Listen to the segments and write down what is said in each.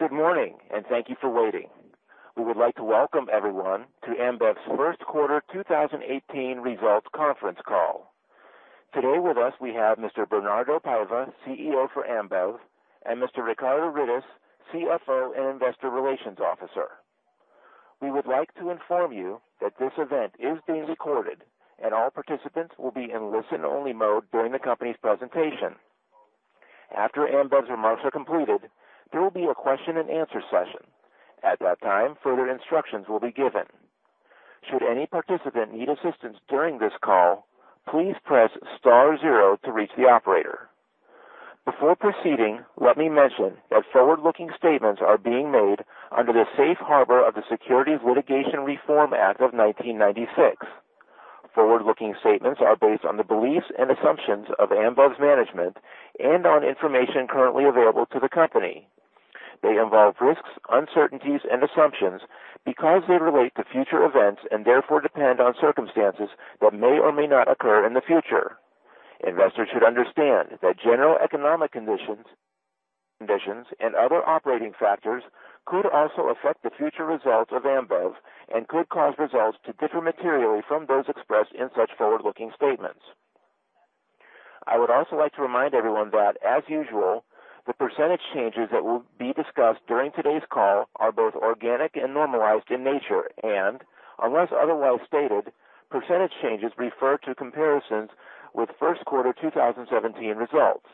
Good morning, and thank you for waiting. We would like to welcome everyone to Ambev's first quarter 2018 results conference call. Today with us, we have Mr. Bernardo Paiva, CEO for Ambev, and Mr. Ricardo Rittes, CFO and Investor Relations Officer. We would like to inform you that this event is being recorded and all participants will be in listen-only mode during the company's presentation. After Ambev's remarks are completed, there will be a question-and-answer session. At that time, further instructions will be given. Should any participant need assistance during this call, please press star zero to reach the operator. Before proceeding, let me mention that forward-looking statements are being made under the Safe Harbor of the Private Securities Litigation Reform Act of 1996. Forward-looking statements are based on the beliefs and assumptions of Ambev's management and on information currently available to the company. They involve risks, uncertainties and assumptions because they relate to future events and therefore depend on circumstances that may or may not occur in the future. Investors should understand that general economic conditions and other operating factors could also affect the future results of Ambev and could cause results to differ materially from those expressed in such forward-looking statements. I would also like to remind everyone that, as usual, the percentage changes that will be discussed during today's call are both organic and normalized in nature and unless otherwise stated, percentage changes refer to comparisons with first quarter 2017 results.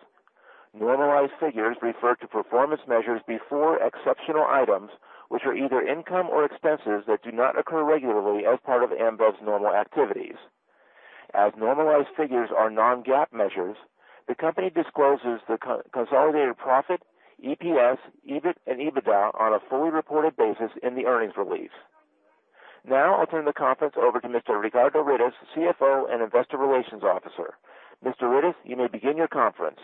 Normalized figures refer to performance measures before exceptional items, which are either income or expenses that do not occur regularly as part of Ambev's normal activities. As normalized figures are non-GAAP measures, the company discloses the consolidated profit, EPS, EBIT and EBITDA on a fully reported basis in the earnings release. Now I'll turn the conference over to Mr. Ricardo Rittes, CFO and Investor Relations Officer. Mr. Rittes, you may begin your conference.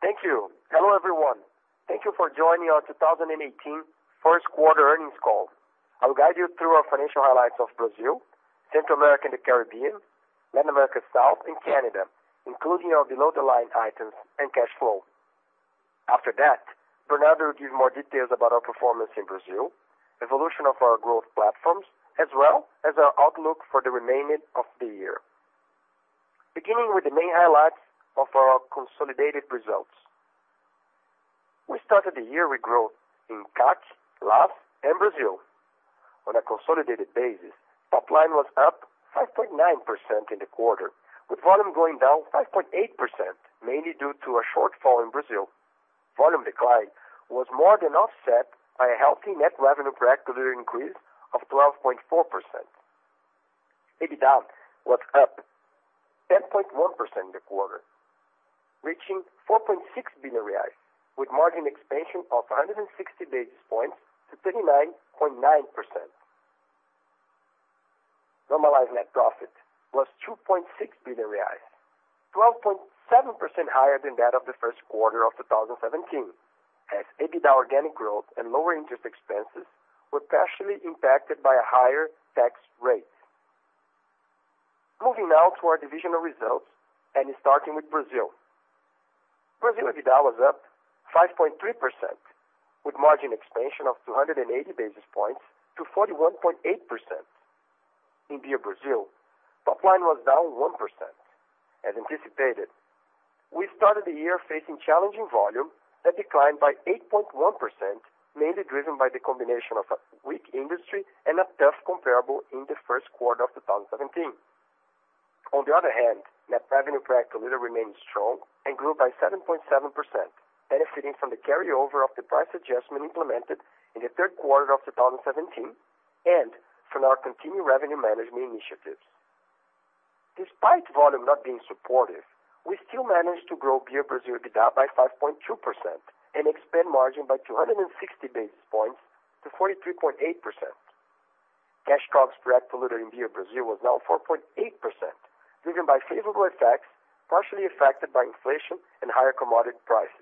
Thank you. Hello, everyone. Thank you for joining our 2018 first quarter earnings call. I will guide you through our financial highlights of Brazil, Central America and the Caribbean, Latin America South and Canada, including our below the line items and cash flow. After that, Bernardo will give more details about our performance in Brazil, evolution of our growth platforms, as well as our outlook for the remainder of the year. Beginning with the main highlights of our consolidated results. We started the year with growth in CAC, LAS and Brazil. On a consolidated basis, top line was up 5.9% in the quarter, with volume going down 5.8%, mainly due to a shortfall in Brazil. Volume decline was more than offset by a healthy net revenue per hectoliter increase of 12.4%. EBITDA was up 10.1% in the quarter, reaching 4.6 billion reais with margin expansion of 160 basis points to 39.9%. Normalized net profit was 2.6 billion reais, 12.7% higher than that of the first quarter of 2017 as EBITDA organic growth and lower interest expenses were partially impacted by a higher tax rate. Moving now to our divisional results and starting with Brazil. Brazil EBITDA was up 5.3% with margin expansion of 280 basis points to 41.8%. In Beer Brazil, top line was down 1%. As anticipated, we started the year facing challenging volume that declined by 8.1%, mainly driven by the combination of a weak industry and a tough comparable in the first quarter of 2017. On the other hand, net revenue per hectoliter remained strong and grew by 7.7%, benefiting from the carryover of the price adjustment implemented in the third quarter of 2017 and from our continued revenue management initiatives. Despite volume not being supportive, we still managed to grow Beer Brazil EBITDA by 5.2% and expand margin by 260 basis points to 43.8%. Cash COGS per hectoliter in Beer Brazil was now 4.8%, driven by favorable effects, partially affected by inflation and higher commodity prices.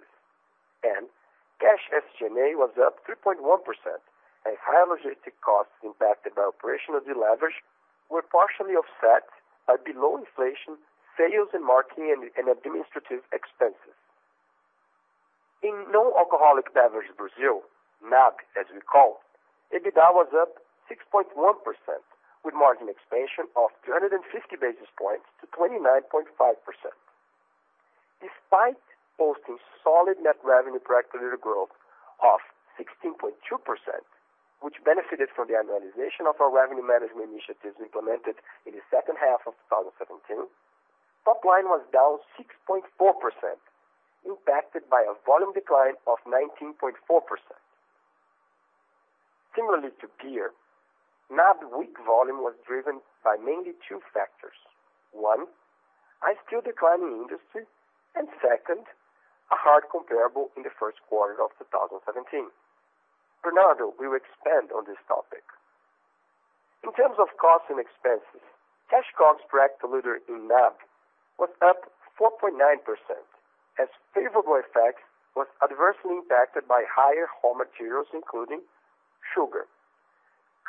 Cash SG&A was up 3.1% as higher logistics costs impacted by operational deleverage were partially offset by below inflation sales and marketing and administrative expenses. In non-alcoholic beverage Brazil, NAB as we call, EBITDA was up 6.1% with margin expansion of 250 basis points to 29.5%. Despite posting solid net revenue per hectoliter growth of 16.2%, which benefited from the annualization of our revenue management initiatives implemented in the second half of 2017, top line was down 6.4%, impacted by a volume decline of 19.4%. Similarly to Beer, NAB weak volume was driven by mainly two factors. One, a still declining industry. Second, a hard comparable in the first quarter of 2017. Bernardo will expand on this topic. In terms of costs and expenses, cash COGS per hectoliter in NAB was up 4.9% as favorable effects was adversely impacted by higher raw materials, including sugar,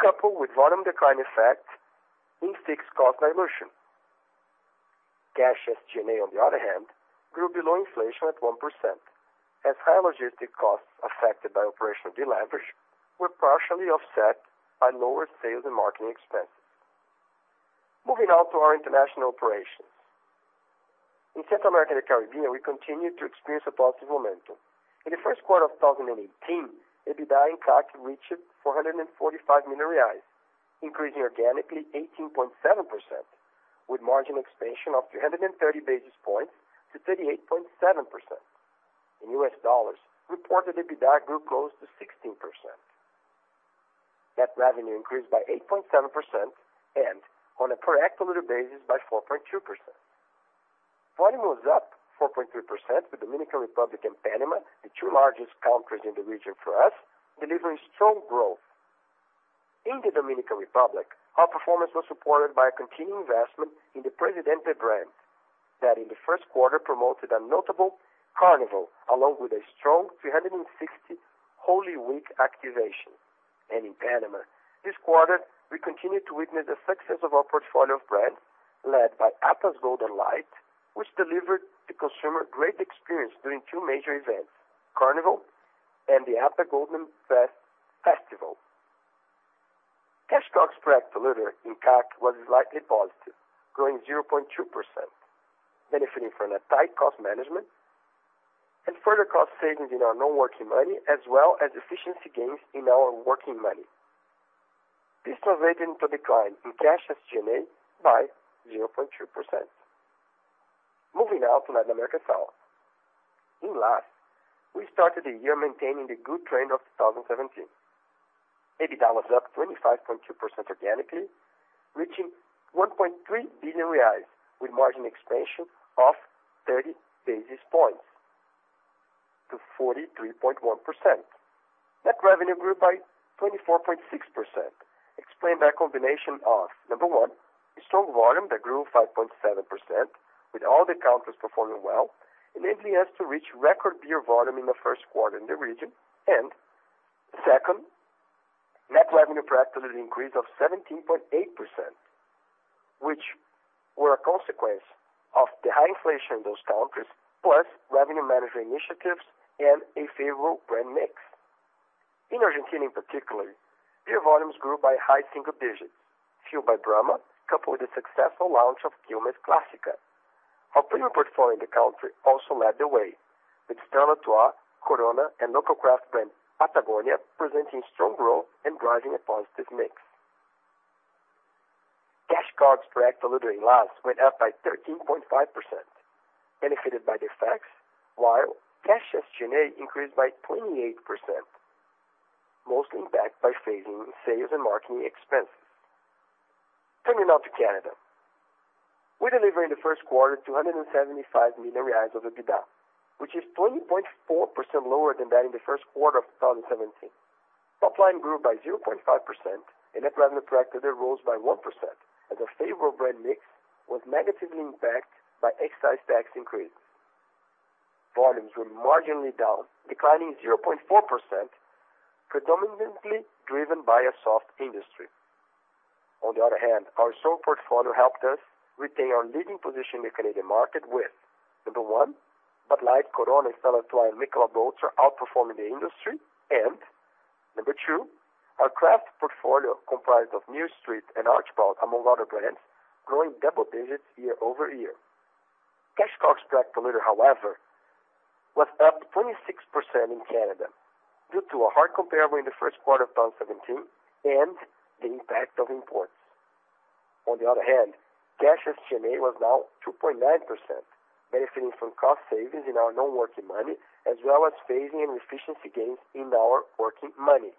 coupled with volume decline effect in fixed cost dilution. Cash SG&A on the other hand grew below inflation at 1% as high logistics costs affected by operational deleverage were partially offset by lower sales and marketing expenses. Moving now to our international operations. In Central America and the Caribbean, we continued to experience a positive momentum. In the first quarter of 2018, EBITDA in CAC reached 445 million reais, increasing organically 18.7% with margin expansion of 330 basis points to 38.7%. In US dollars, reported EBITDA grew close to 16%. Net revenue increased by 8.7% and on a per hectoliter basis by 4.2%. Volume was up 4.3% with Dominican Republic and Panama, the two largest countries in the region for us, delivering strong growth. In the Dominican Republic, our performance was supported by a continued investment in the Presidente brand that in the first quarter promoted a notable Carnival along with a strong 360 Holy Week activation. In Panama, this quarter we continued to witness the success of our portfolio of brands led by Atlas Golden Light, which delivered consumers a great experience during two major events, Carnival and the Atlas Golden Fest. Cash costs per hectoliter in CAC was slightly positive, growing 0.2%, benefiting from a tight cost management and further cost savings in our non-working capital as well as efficiency gains in our working capital. This translated into a decline in cash SG&A by 0.2%. Moving now to Latin America South. In LAS, we started the year maintaining the good trend of 2017. EBITDA was up 25.2% organically, reaching 1.3 billion reais with margin expansion of 30 basis points to 43.1%. Net revenue grew by 24.6% explained by a combination of, number one, strong volume that grew 5.7% with all the countries performing well, enabling us to reach record beer volume in the first quarter in the region. Second, net revenue per hectoliter increase of 17.8%, which were a consequence of the high inflation in those countries, plus revenue management initiatives and a favorable brand mix. In Argentina in particular, beer volumes grew by high single digits, fueled by Brahma, coupled with the successful launch of Quilmes Clásica. Our premium portfolio in the country also led the way with Stella Artois, Corona, and local craft brand Patagonia presenting strong growth and driving a positive mix. Cash costs per hectoliter in LAS went up by 13.5%, benefited by the FX, while cash SG&A increased by 28%, mostly impacted by phasing in sales and marketing expenses. Turning now to Canada. We delivered in the first quarter 275 million reais of EBITDA, which is 20.4% lower than that in the first quarter of 2017. Topline grew by 0.5% and net revenue per hectoliter rose by 1% as our favorable brand mix was negatively impacted by excise tax increases. Volumes were marginally down, declining 0.4%, predominantly driven by a soft industry. On the other hand, our strong portfolio helped us retain our leading position in the Canadian market with, number one, Bud Light, Corona, Stella Artois, and Michelob Ultra outperforming the industry. Number two, our craft portfolio comprised of Mill Street and Archibald among other brands growing double digits year-over-year. Cash costs per hectoliter, however, was up 26% in Canada due to a hard comparable in the first quarter of 2017 and the impact of imports. On the other hand, cash SG&A was down 2.9%, benefiting from cost savings in our non-working money as well as phasing and efficiency gains in our working money.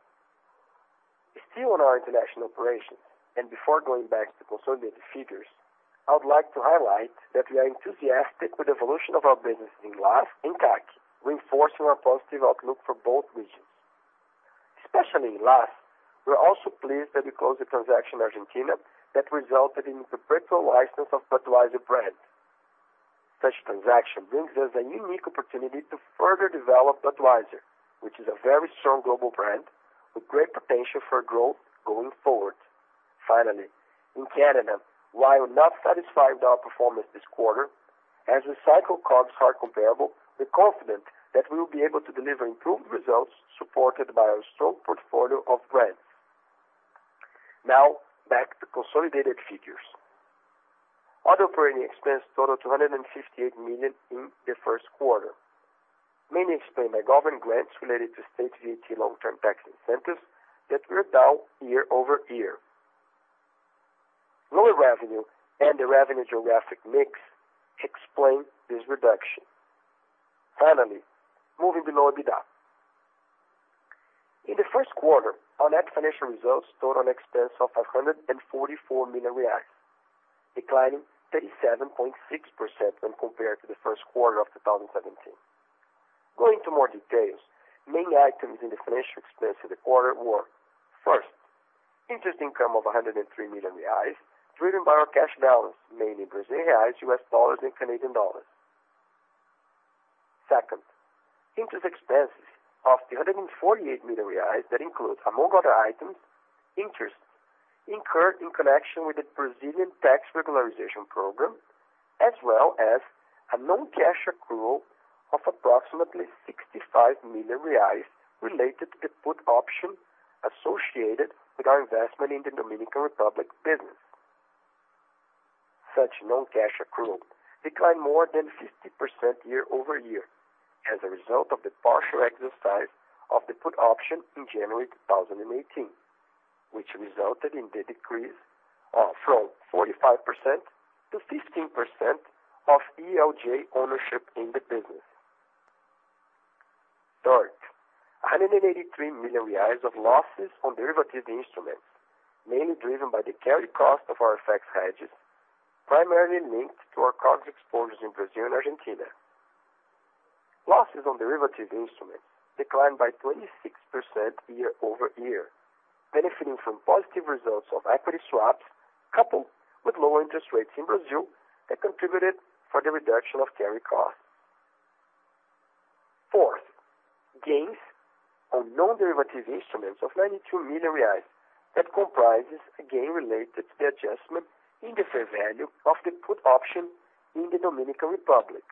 Still on our international operations, and before going back to consolidated figures, I would like to highlight that we are enthusiastic with the evolution of our businesses in LAS and CAC, reinforcing our positive outlook for both regions. Especially in LAS, we are also pleased that we closed the transaction in Argentina that resulted in the perpetual license of Budweiser brand. Such transaction brings us a unique opportunity to further develop Budweiser, which is a very strong global brand with great potential for growth going forward. Finally, in Canada, while not satisfied with our performance this quarter, as we cycle tough comps, we're confident that we will be able to deliver improved results supported by our strong portfolio of brands. Now back to consolidated figures. Other operating expenses totaled BRL 258 million in the first quarter, mainly explained by government grants related to state VAT and long-term tax incentives that were down year-over-year. Lower revenue and the revenue geographic mix explain this reduction. Finally, moving below EBITDA. In the first quarter, our net financial results totaled an expense of 544 million reais, declining 37.6% when compared to the first quarter of 2017. Going into more details, main items in the financial expense for the quarter were, first, interest income of 103 million reais driven by our cash balance, mainly Brazilian reais, US dollars, and Canadian dollars. Second, interest expenses of 348 million reais that includes, among other items, interest incurred in connection with the Brazilian tax regularization program, as well as a non-cash accrual of approximately 65 million reais related to the put option associated with our investment in the Dominican Republic business. Such non-cash accrual declined more than 50% year-over-year as a result of the partial exercise of the put option in January 2018, which resulted in the decrease from 45-15% of ELJ ownership in the business. Third, 183 million reais of losses on derivative instruments, mainly driven by the carry cost of our FX hedges, primarily linked to our cross exposures in Brazil and Argentina. Losses on derivative instruments declined by 26% year-over-year, benefiting from positive results of equity swaps coupled with lower interest rates in Brazil that contributed for the reduction of carry costs. Fourth, gains on non-derivative instruments of 92 million reais that comprises a gain related to the adjustment in the fair value of the put option in the Dominican Republic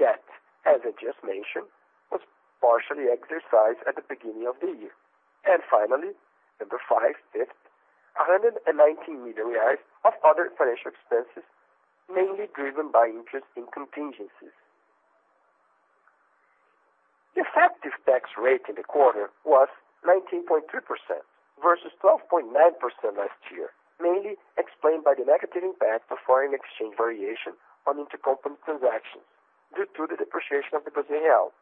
that, as I just mentioned, was partially exercised at the beginning of the year. Finally, fifth, 119 million reais of other financial expenses, mainly driven by interest in contingencies. The effective tax rate in the quarter was 19.2% versus 12.9% last year, mainly explained by the negative impact of foreign exchange variation on intercompany transactions due to the depreciation of the Brazilian real.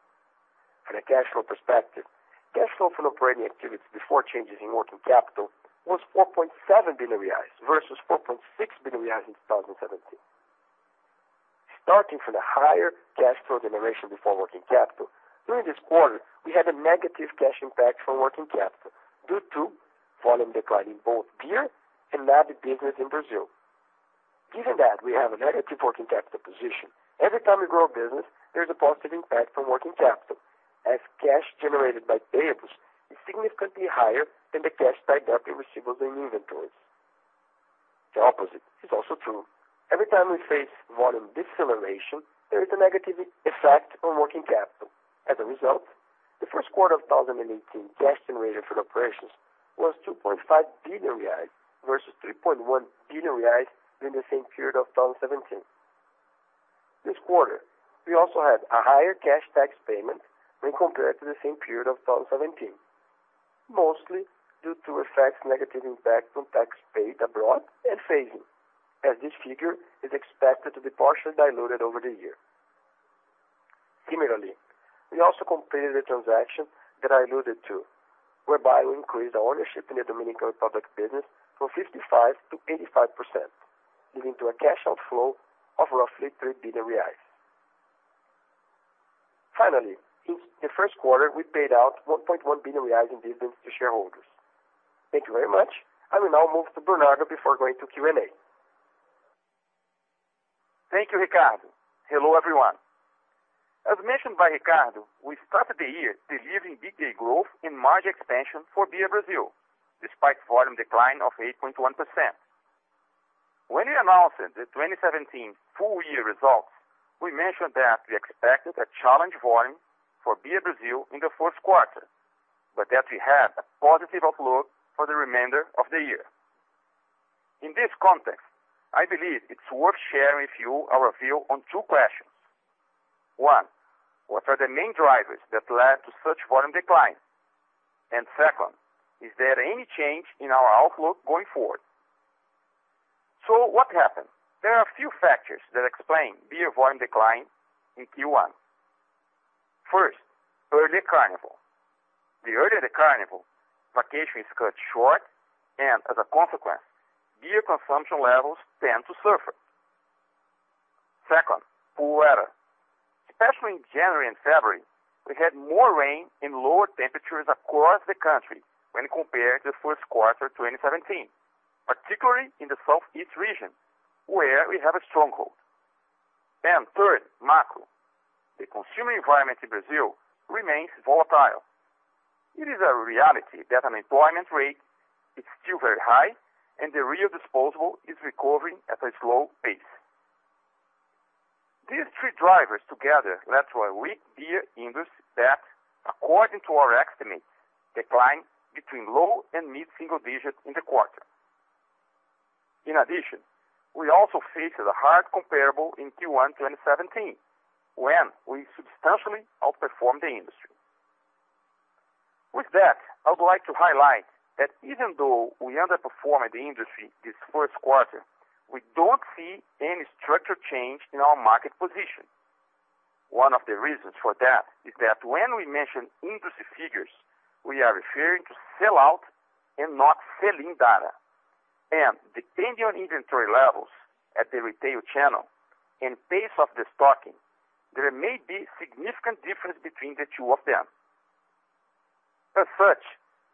From a cash flow perspective, cash flow from operating activities before changes in working capital was 4.7 billion reais versus 4.6 billion reais in 2017. Starting from the higher cash flow generation before working capital, during this quarter, we had a negative cash impact from working capital due to volume decline in both beer and NAB business in Brazil. Given that we have a negative working capital position, every time we grow a business, there is a positive impact from working capital, as cash generated by payables is significantly higher than the cash tied up in receivables and inventories. The opposite is also true. Every time we face volume deceleration, there is a negative effect on working capital. As a result, the first quarter of 2018 cash generated from operations was 2.5 billion reais versus 3.1 billion reais during the same period of 2017. This quarter, we also had a higher cash tax payment when compared to the same period of 2017, mostly due to negative effects on tax paid abroad and phasing, as this figure is expected to be partially diluted over the year. Similarly, we also completed a transaction that I alluded to, whereby we increased our ownership in the Dominican Republic business from 55-85%, leading to a cash outflow of roughly 3 billion reais. Finally, in the first quarter, we paid out 1.1 billion reais in dividends to shareholders. Thank you very much. I will now move to Bernardo before going to Q&A. Thank you, Ricardo. Hello, everyone. As mentioned by Ricardo, we started the year delivering EBITDA growth and margin expansion for Beer Brazil despite volume decline of 8.1%. When we announced the 2017 full year results, we mentioned that we expected a challenged volume for Beer Brazil in the first quarter, but that we had a positive outlook for the remainder of the year. In this context, I believe it's worth sharing with you our view on two questions. One, what are the main drivers that led to such volume decline? And second, is there any change in our outlook going forward? What happened? There are a few factors that explain beer volume decline in Q1. First, early Carnival. The earlier the Carnival, vacation is cut short, and as a consequence, beer consumption levels tend to suffer. Second, poor weather. Especially in January and February, we had more rain and lower temperatures across the country when compared to the first quarter 2017, particularly in the southeast region, where we have a stronghold. Third, macro. The consumer environment in Brazil remains volatile. It is a reality that unemployment rate is still very high, and the real disposable income is recovering at a slow pace. These three drivers together led to a weak beer industry that, according to our estimates, declined between low and mid-single digits in the quarter. In addition, we also faced a hard comparable in Q1 2017 when we substantially outperformed the industry. With that, I would like to highlight that even though we underperformed the industry this first quarter, we don't see any structural change in our market position. One of the reasons for that is that when we mention industry figures, we are referring to sell out and not sell-in data. Depending on inventory levels at the retail channel and pace of the stocking, there may be significant difference between the two of them. As such,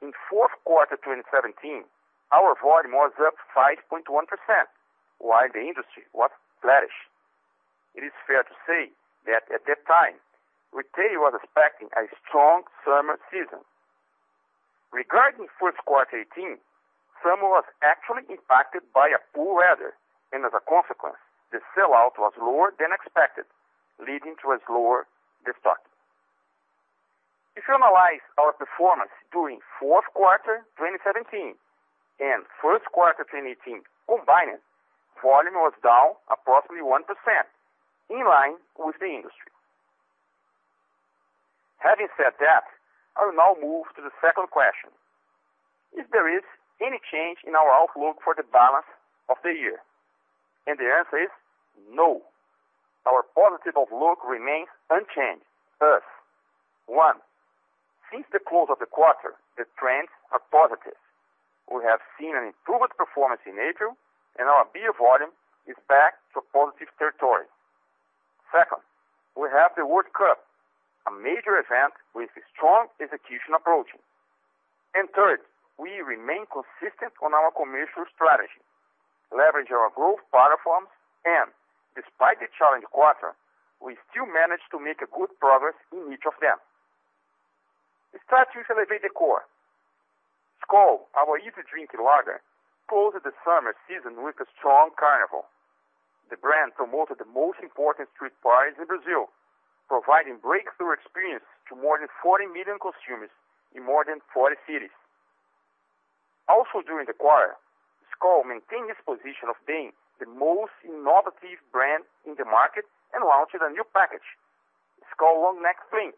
in fourth quarter 2017, our volume was up 5.1%, while the industry was flattish. It is fair to say that at that time, retail was expecting a strong summer season. Regarding first quarter 2018, summer was actually impacted by a poor weather, and as a consequence, the sell-out was lower than expected, leading to a slower de-stock. If you analyze our performance during fourth quarter 2017 and first quarter 2018 combined, volume was down approximately 1% in line with the industry. Having said that, I will now move to the second question, if there is any change in our outlook for the balance of the year, and the answer is no. Our positive outlook remains unchanged as, one, since the close of the quarter, the trends are positive. We have seen an improved performance in April, and our beer volume is back to a positive territory. Second, we have the World Cup, a major event with a strong execution approach. Third, we remain consistent on our commercial strategy, leverage our growth platforms, and despite the challenging quarter, we still managed to make a good progress in each of them. The strategy to elevate the core. Skol, our easy drinking lager, closed the summer season with a strong carnival. The brand promoted the most important street parties in Brazil, providing breakthrough experience to more than 40 million consumers in more than 40 cities. Also during the quarter, Skol maintained its position of being the most innovative brand in the market and launched a new package, Skol Long Neck Thin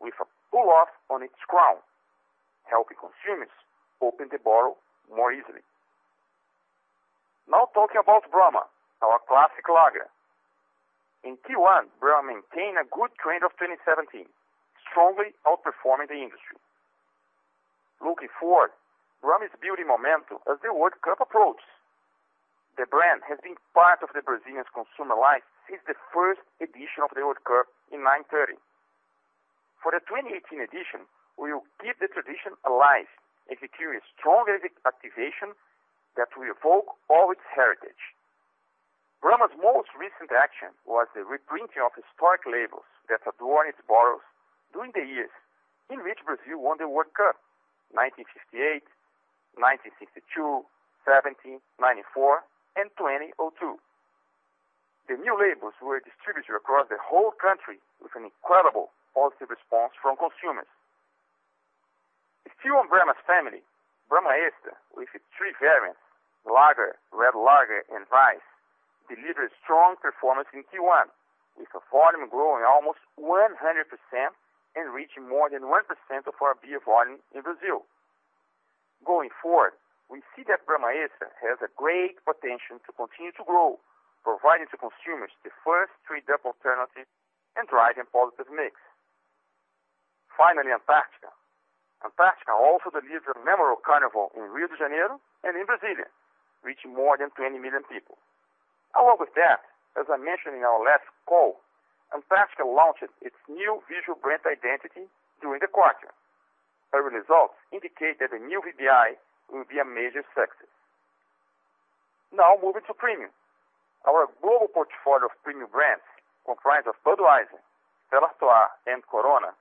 with a pull off on its crown, helping consumers open the bottle more easily. Now talking about Brahma, our classic lager. In Q1, Brahma maintained a good trend of 2017, strongly outperforming the industry. Looking forward, Brahma is building momentum as the World Cup approaches. The brand has been part of the Brazilians' consumer life since the first edition of the World Cup in 1930. For the 2018 edition, we will keep the tradition alive, executing strong activation that will evoke all its heritage. Brahma's most recent action was the reprinting of historic labels that adorned its bottles during the years in which Brazil won the World Cup, 1958, 1962, 1970, 1994, and 2002. The new labels were distributed across the whole country with an incredible positive response from consumers. Still on Brahma's family, Brahma Extra, with its three variants, lager, red lager, and rice, delivered strong performance in Q1, with a volume growing almost 100% and reaching more than 1% of our beer volume in Brazil. Going forward, we see that Brahma Extra has a great potential to continue to grow, providing to consumers the first three double alternative and driving positive mix. Finally, Antarctica also delivered a memorable carnival in Rio de Janeiro and in Brasília, reaching more than 20 million people. Along with that, as I mentioned in our last call, Antarctica launched its new visual brand identity during the quarter. Early results indicate that the new VBI will be a major success. Now moving to premium. Our global portfolio of premium brands comprised of Budweiser, Stella Artois, and Corona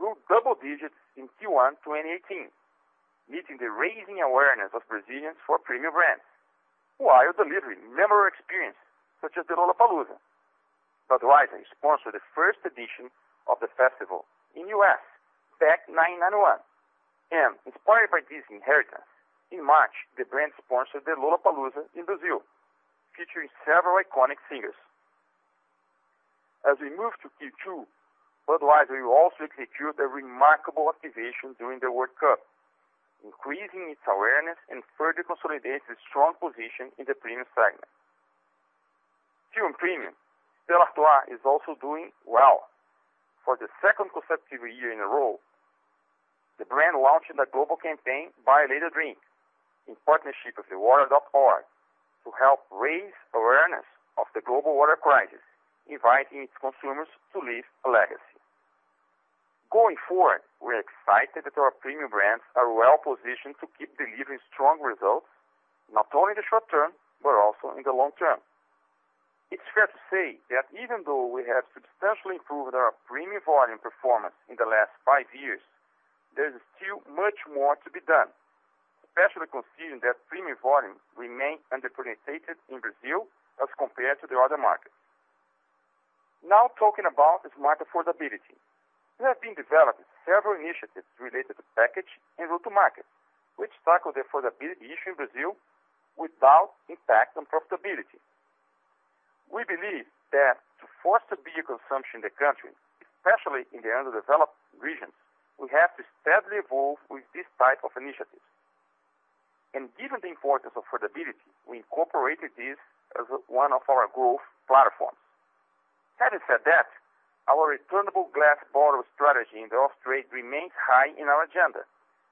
grew double digits in Q1 2018, meeting the rising awareness of Brazilians for premium brands while delivering memorable experience such as the Lollapalooza. Budweiser sponsored the first edition of the festival in the U.S. back in 1991, and inspired by this heritage, in March, the brand sponsored the Lollapalooza in Brazil, featuring several iconic singers. As we move to Q2, Budweiser will also execute a remarkable activation during the World Cup, increasing its awareness and further consolidate its strong position in the premium segment. Still in premium, Stella Artois is also doing well. For the second consecutive year in a row, the brand launched a global campaign, Buy a Lady a Drink, in partnership with Water.org to help raise awareness of the global water crisis, inviting its consumers to lea ve a legacy. Going forward, we're excited that our premium brands are well positioned to keep delivering strong results, not only in the short term, but also in the long term. It's fair to say that even though we have substantially improved our premium volume performance in the last five years, there is still much more to be done, especially considering that premium volume remains underpenetrated in Brazil as compared to the other markets. Now talking about smart affordability. We have been developing several initiatives related to package and go to market, which tackle the affordability issue in Brazil without impact on profitability. We believe that to foster beer consumption in the country, especially in the underdeveloped regions, we have to steadily evolve with this type of initiatives. Given the importance of affordability, we incorporated this as one of our growth platforms. Having said that, our returnable glass bottle strategy in the off-trade remains high in our agenda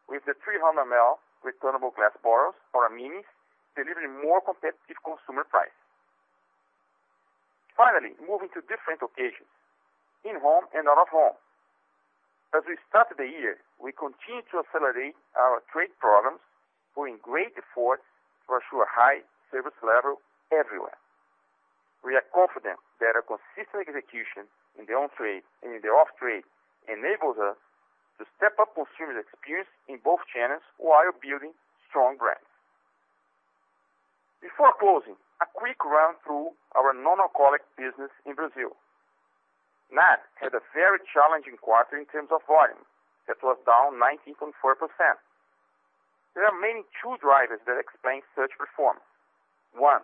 with the 300 ml returnable glass bottles for our minis delivering more competitive consumer price. Finally, moving to different locations, in home and out of home. As we start the year, we continue to accelerate our trade programs, putting great effort to ensure high service levels everywhere. We are confident that a consistent execution in the on-trade and in the off-trade enables us to step up consumer experience in both channels while building strong brands. Before closing, a quick run through our non-alcoholic business in Brazil. NAB had a very challenging quarter in terms of volume that was down 19.4%. There are mainly two drivers that explain such performance. One,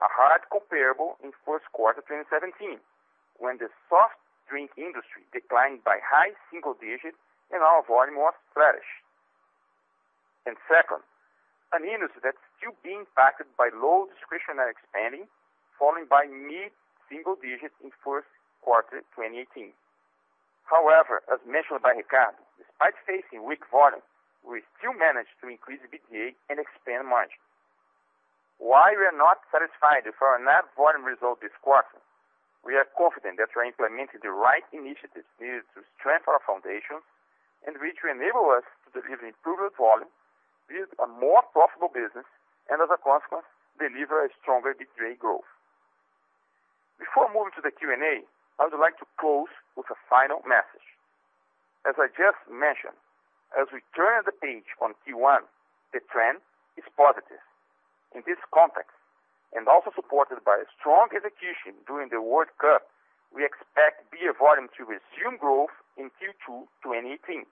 a hard comparable in first quarter 2017 when the soft drink industry declined by high single digit and our volume was flat-ish. Second, an industry that's still being impacted by low discretionary spending, falling by mid-single digit in first quarter 2018. However, as mentioned by Ricardo, despite facing weak volume, we still managed to increase the EBITDA and expand margin. While we are not satisfied for our NAB volume result this quarter, we are confident that we are implementing the right initiatives needed to strengthen our foundation and which will enable us to deliver improved volume with a more profitable business, and as a consequence, deliver a stronger EBITDA growth. Before moving to the Q&A, I would like to close with a final message. As I just mentioned, as we turn the page on Q1, the trend is positive. In this context, and also supported by a strong execution during the World Cup, we expect beer volume to resume growth in Q2 2018.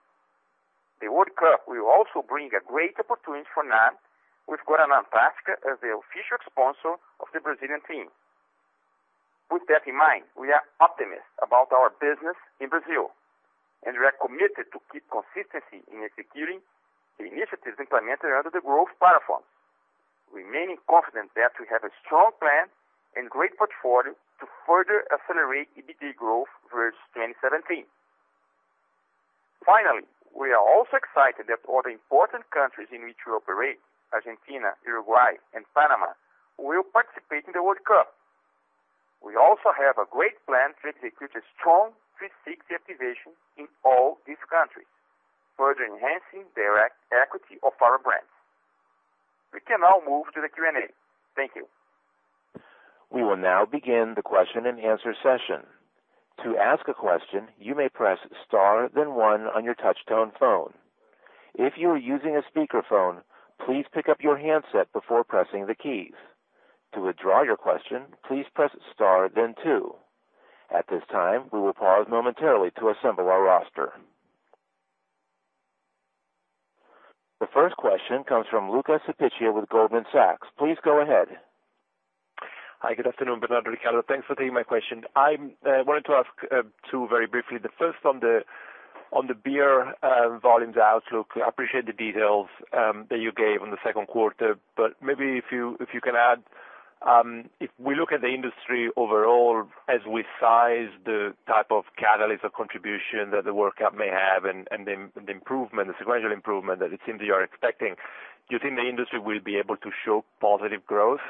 The World Cup will also bring a great opportunity for NAB with Guaraná Antarctica as the official sponsor of the Brazilian team. With that in mind, we are optimistic about our business in Brazil, and we are committed to keep consistency in executing the initiatives implemented under the growth platforms. Remaining confident that we have a strong plan and great portfolio to further accelerate EBITDA growth versus 2017. Finally, we are also excited that all the important countries in which we operate, Argentina, Uruguay and Panama, will participate in the World Cup. We also have a great plan to execute a strong 360 activation in all these countries, further enhancing direct equity of our brands. We can now move to the Q&A. Thank you. We will now begin the question-and-answer session. To ask a question, you may press star then one on your touch tone phone. If you are using a speakerphone, please pick up your handset before pressing the keys. To withdraw your question, please press star then two. At this time, we will pause momentarily to assemble our roster. The first question comes from Luca Cipiccia with Goldman Sachs. Please go ahead. Hi, good afternoon, Bernardo, Ricardo. Thanks for taking my question. I wanted to ask two very briefly. The first on the beer volumes outlook. I appreciate the details that you gave on the second quarter, but maybe if you can add, if we look at the industry overall as we size the type of catalyst or contribution that the World Cup may have and the improvement, the sequential improvement that it seems you are expecting, do you think the industry will be able to show positive growth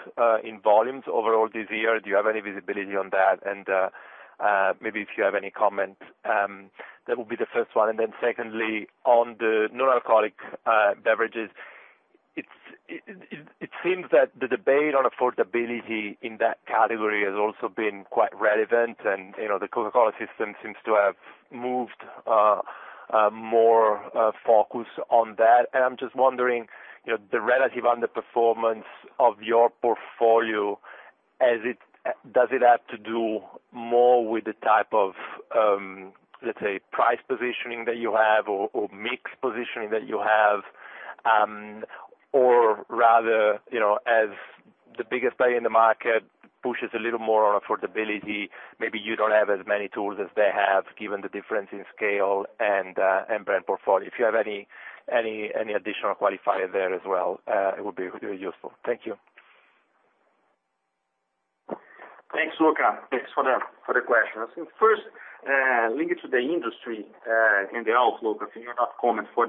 in volumes overall this year? Do you have any visibility on that? Maybe if you have any comment, that would be the first one. Then secondly, on the non-alcoholic beverages, it seems that the debate on affordability in that category has also been quite relevant. You know, the Coca-Cola system seems to have moved more focus on that. I'm just wondering, you know, the relative underperformance of your portfolio, does it have to do more with the type of, let's say, price positioning that you have or mix positioning that you have? Or rather, you know, as the biggest player in the market pushes a little more on affordability, maybe you don't have as many tools as they have, given the difference in scale and brand portfolio. If you have any additional qualifier there as well, it would be really useful. Thank you. Thanks, Luca. Thanks for the question. I think first, linked to the industry and the outlook, I think we're not commenting for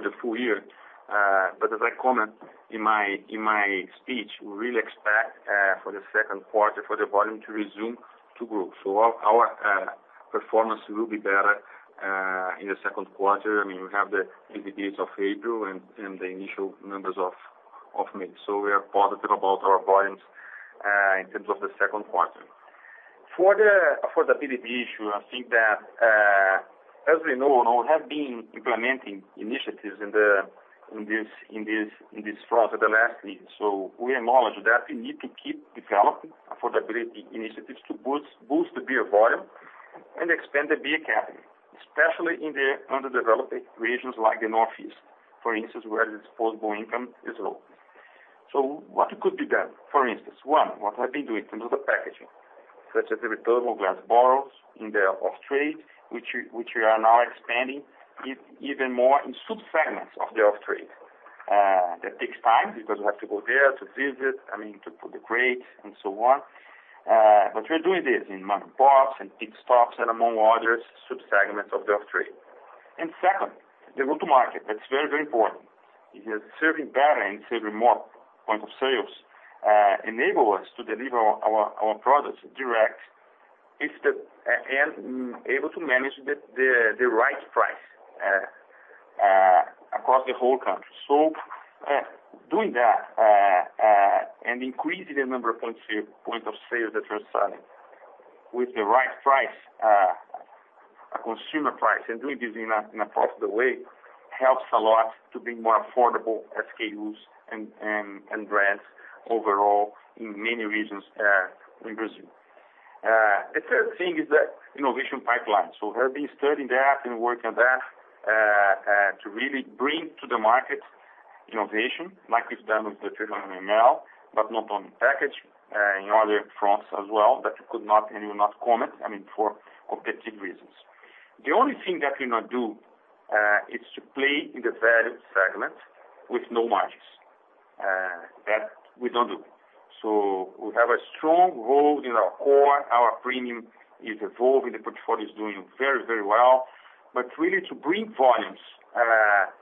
the full year. As I commented in my speech, we really expect for the second quarter for the volume to resume to grow. Our performance will be better in the second quarter. I mean, we have the EBITDAs of April and the initial numbers of May. We are positive about our volumes in terms of the second quarter. For the affordability issue, I think that as we now have been implementing initiatives in this front since the last meeting. We acknowledge that we need to keep developing affordability initiatives to boost the beer volume and expand the beer category, especially in the underdeveloped regions like the Northeast, for instance, where the disposable income is low. What could be done? For instance, one, what we've been doing in terms of packaging, such as the return of glass bottles in the off-trade, which we are now expanding even more in subsegments of the off-trade. That takes time because we have to go there to visit, I mean, to put the crates and so on. But we're doing this in market bots and pick stocks and among other subsegments of the off-trade. Second, the go-to-market. That's very important. We are serving better and serving more points of sale enables us to deliver our products direct. It's and able to manage the right price across the whole country. Doing that and increasing the number of point of sales that we're selling with the right price, a consumer price, and doing this in a profitable way helps a lot to be more affordable SKUs and brands overall in many regions in Brazil. The third thing is that innovation pipeline. We have been studying that and working on that to really bring to the market innovation like it's done with the 300 ml, but not only package in other fronts as well, that you could not and will not comment, I mean, for competitive reasons. The only thing that we not do is to play in the value segment with no margins. That we don't do. We have a strong role in our core. Our premium is evolving. The portfolio is doing very, very well. Really to bring volumes,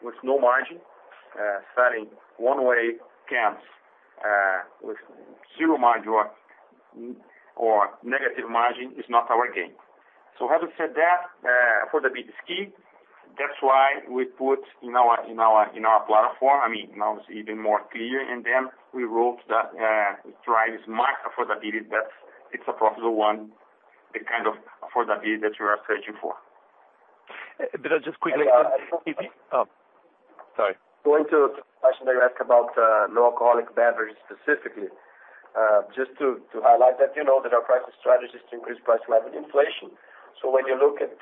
with no margin, selling one way cans, with zero margin or negative margin is not our game. Having said that, for the big scheme, that's why we put in our platform, I mean, now it's even more clear. Then we wrote that, thrive is micro affordability, that's it's a profitable one, the kind of affordability that you are searching for. Just quickly. Oh, sorry. Going to the question that you ask about, low alcoholic beverages specifically. Just to highlight that, you know, that our pricing strategy is to increase price level inflation. When you look at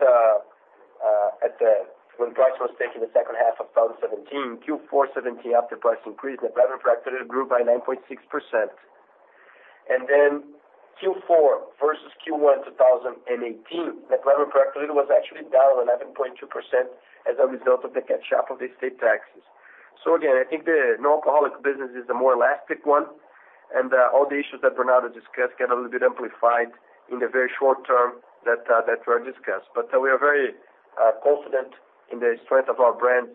when price was taken in the second half of 2017, Q4 2017 after price increase, the beverage category grew by 9.6%. Then Q4 versus Q1 2018, the beverage category was actually down 11.2% as a result of the catch up of the state taxes. Again, I think the no alcoholic business is a more elastic one, and all the issues that Bernardo discussed get a little bit amplified in the very short term that were discussed. We are very confident in the strength of our brands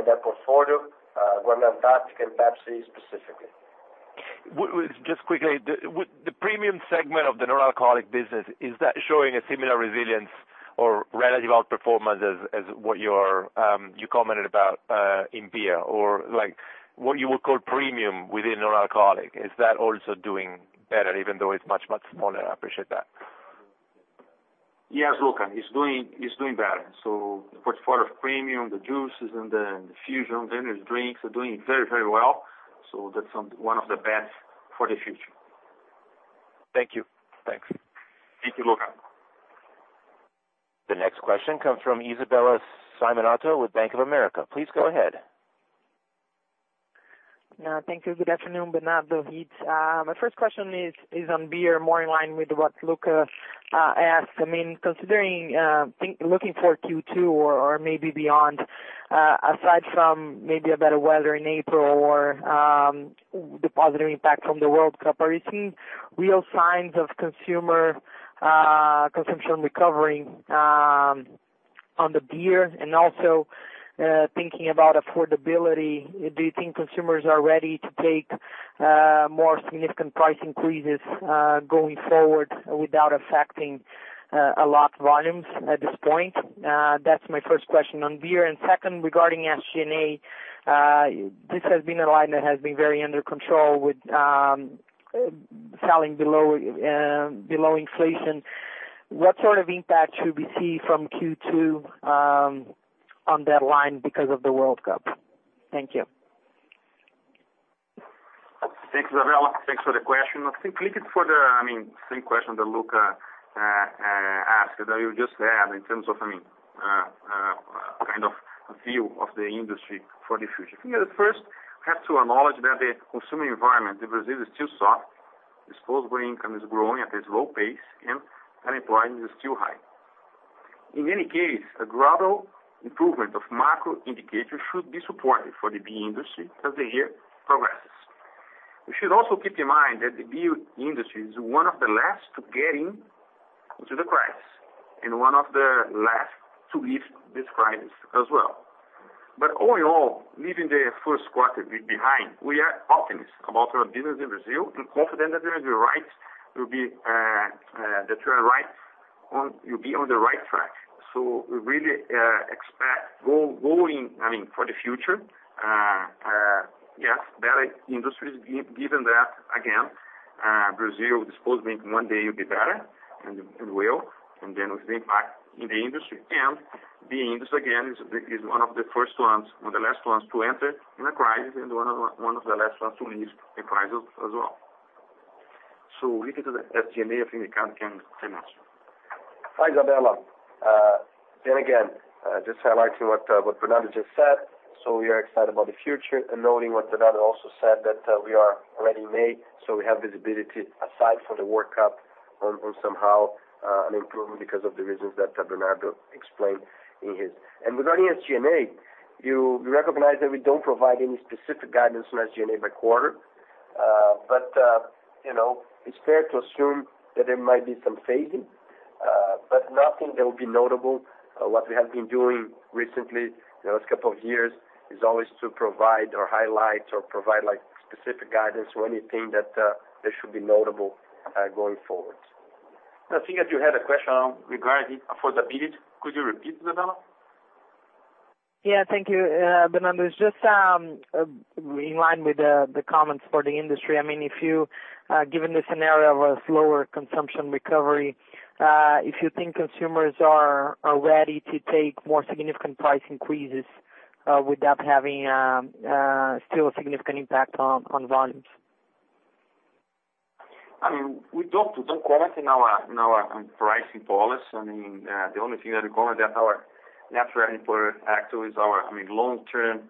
in that portfolio, Guaraná Antarctica and Pepsi specifically. Just quickly, with the premium segment of the non-alcoholic business, is that showing a similar resilience or relative outperformance as what you commented about in beer or like what you would call premium within non-alcoholic? Is that also doing better even though it's much, much smaller? I appreciate that. Yes, Luca, it's doing better. The portfolio of premium, the juices and the fusion energy drinks are doing very, very well. That's one of the bets for the future. Thank you. Thanks. Thank you, Luca. The next question comes from Isabella Simonato with Bank of America. Please go ahead. Thank you. Good afternoon, Bernardo Paiva, Ricardo Rittes. My first question is on beer more in line with what Luca Cipiccia asked. I mean, considering looking for Q2 or maybe beyond, aside from maybe a better weather in April or the positive impact from the World Cup, are you seeing real signs of consumer consumption recovering on the beer? And also, thinking about affordability, do you think consumers are ready to take more significant price increases going forward without affecting volumes a lot at this point? That's my first question on beer. And second, regarding SG&A, this has been a line that has been very under control with selling below inflation. What sort of impact should we see from Q2 on that line because of the World Cup? Thank you. Thanks, Isabella. Thanks for the question. I think, I mean, same question that Luca asked, that you just said in terms of, I mean, kind of view of the industry for the future. I think at first have to acknowledge that the consumer environment in Brazil is still soft. Disposable income is growing at a slow pace, and unemployment is still high. In any case, a gradual improvement of macro indicators should be supportive for the beer industry as the year progresses. We should also keep in mind that the beer industry is one of the last to get into the crisis and one of the last to leave this crisis as well. All in all, leaving the first quarter behind, we are optimistic about our business in Brazil. We're confident that we'll be on the right track. We really expect going, I mean, for the future, yes, better industry given that, again, Brazil's disposable income one day will be better, and it will, and then with the impact in the industry. The industry, again, is one of the last ones to enter in a crisis and one of the last ones to leave the crisis as well. Looking to the SG&A, I think Ricardo Rittes can say much. Hi, Isabella. Then again, just highlighting what Bernardo just said. We are excited about the future and noting what Bernardo also said that we are already in May, so we have visibility aside from the World Cup on somehow an improvement because of the reasons that Bernardo explained in his. Regarding SG&A, you recognize that we don't provide any specific guidance on SG&A by quarter. You know, it's fair to assume that there might be some phasing, but nothing that will be notable. What we have been doing recently in the last couple of years is always to provide or highlight or provide like specific guidance or anything that should be notable, going forward. I think that you had a question regarding affordability. Could you repeat, Isabella? Yeah. Thank you, Bernardo. Just in line with the comments for the industry. I mean, if you given the scenario of a slower consumption recovery, if you think consumers are ready to take more significant price increases, without having still a significant impact on volumes. I mean, we don't comment on our pricing policy. I mean, the only thing that we comment is that our natural inflation factor is our long-term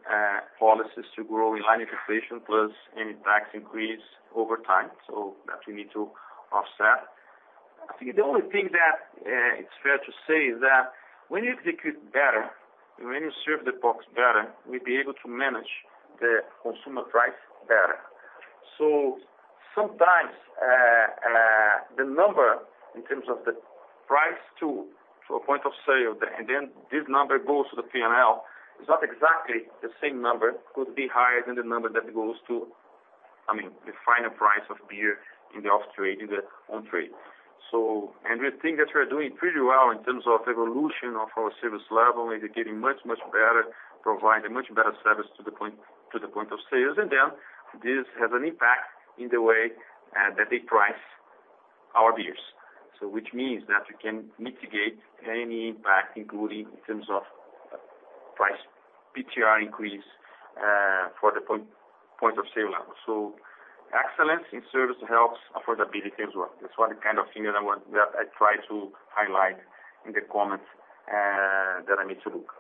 policies to grow in line with inflation plus any tax increase over time, so that we need to offset. I think the only thing that it's fair to say is that when you execute better, when you serve the box better, we'll be able to manage the consumer price better. Sometimes, the number in terms of the price to a point of sale, and then this number goes to the P&L, is not exactly the same number. It could be higher than the number that goes to the final price of beer in the off trade, in the on trade. We think that we're doing pretty well in terms of evolution of our service level, and we're getting much, much better, providing much better service to the point of sales. Then this has an impact in the way that they price our beers. Which means that we can mitigate any impact, including in terms of price, PTR increase, for the point of sale level. Excellence in service helps affordability as well. That's one kind of thing that I try to highlight in the comments that I need to look.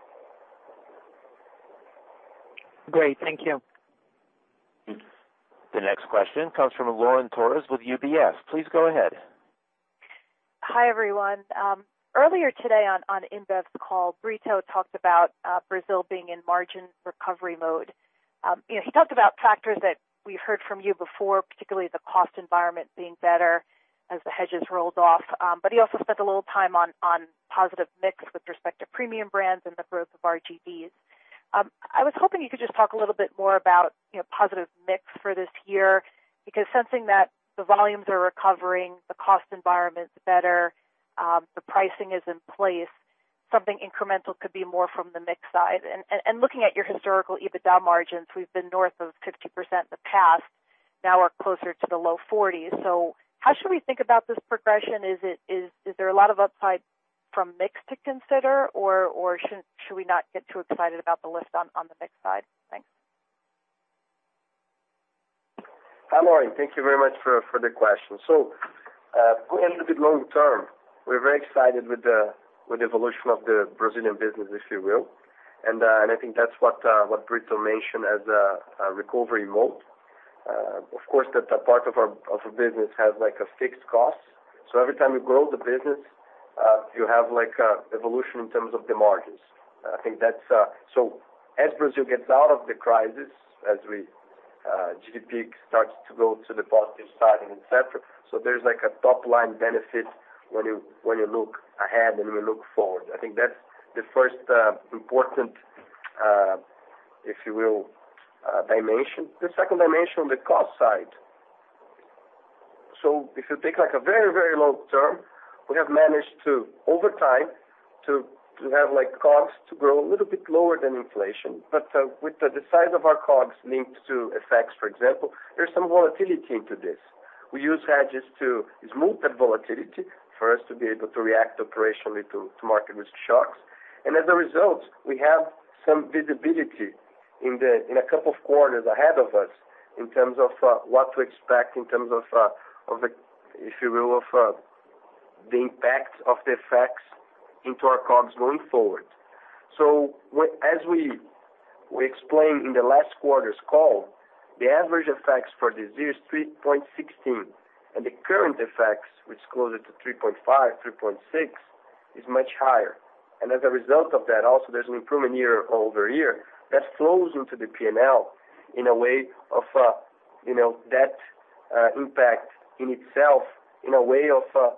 Great. Thank you. The next question comes from Lauren Torres with UBS. Please go ahead. Hi, everyone. Earlier today on InBev's call, Brito talked about Brazil being in margin recovery mode. You know, he talked about factors that we heard from you before, particularly the cost environment being better as the hedges rolled off. But he also spent a little time on positive mix with respect to premium brands and the growth of RGBs. I was hoping you could just talk a little bit more about, you know, positive mix for this year, because sensing that the volumes are recovering, the cost environment's better, the pricing is in place, something incremental could be more from the mix side. And looking at your historical EBITDA margins, we've been north of 50% in the past, now we're closer to the low 40s%. How should we think about this progression? Is there a lot of upside from mix to consider or should we not get too excited about the lift on the mix side? Thanks. Hi, Lauren. Thank you very much for the question. Going a little bit long term, we're very excited with the evolution of the Brazilian business, if you will. I think that's what Brito mentioned as a recovery mode. Of course, a part of our business has like a fixed cost. Every time you grow the business, you have like a evolution in terms of the margins. I think that's. As Brazil gets out of the crisis, GDP starts to go to the positive side and et cetera, there's like a top-line benefit when you look ahead and we look forward. I think that's the first important, if you will, dimension. The second dimension on the cost side. If you take like a very, very long term, we have managed to, over time, to have like costs to grow a little bit lower than inflation. With the size of our costs linked to FX, for example, there's some volatility in this. We use hedges to smooth that volatility for us to be able to react operationally to market risk shocks. As a result, we have some visibility in a couple of quarters ahead of us in terms of what to expect, in terms of the impact of the FX on our costs going forward. As we explained in the last quarter's call, the average effects for this year is 3.16, and the current effects, which is closer to 3.5-3.6, is much higher. As a result of that, also there's an improvement year-over-year that flows into the P&L in a way of that impact in itself in a way of a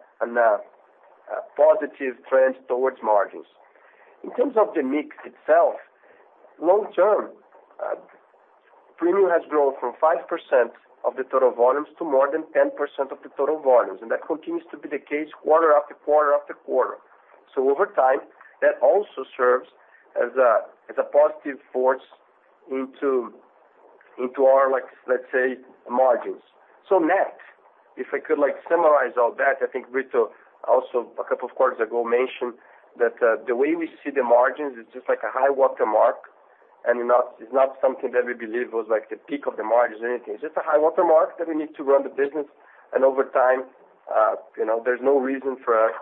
positive trend towards margins. In terms of the mix itself, long term, premium has grown from 5% of the total volumes to more than 10% of the total volumes, and that continues to be the case quarter after quarter after quarter. Over time, that also serves as a positive force into our, like let's say, margins. Net, if I could like summarize all that, I think Brito also a couple of quarters ago mentioned that, the way we see the margins is just like a high water mark and not it's not something that we believe was like the peak of the margins or anything. It's just a high water mark that we need to run the business. Over time, you know, there's no reason for us,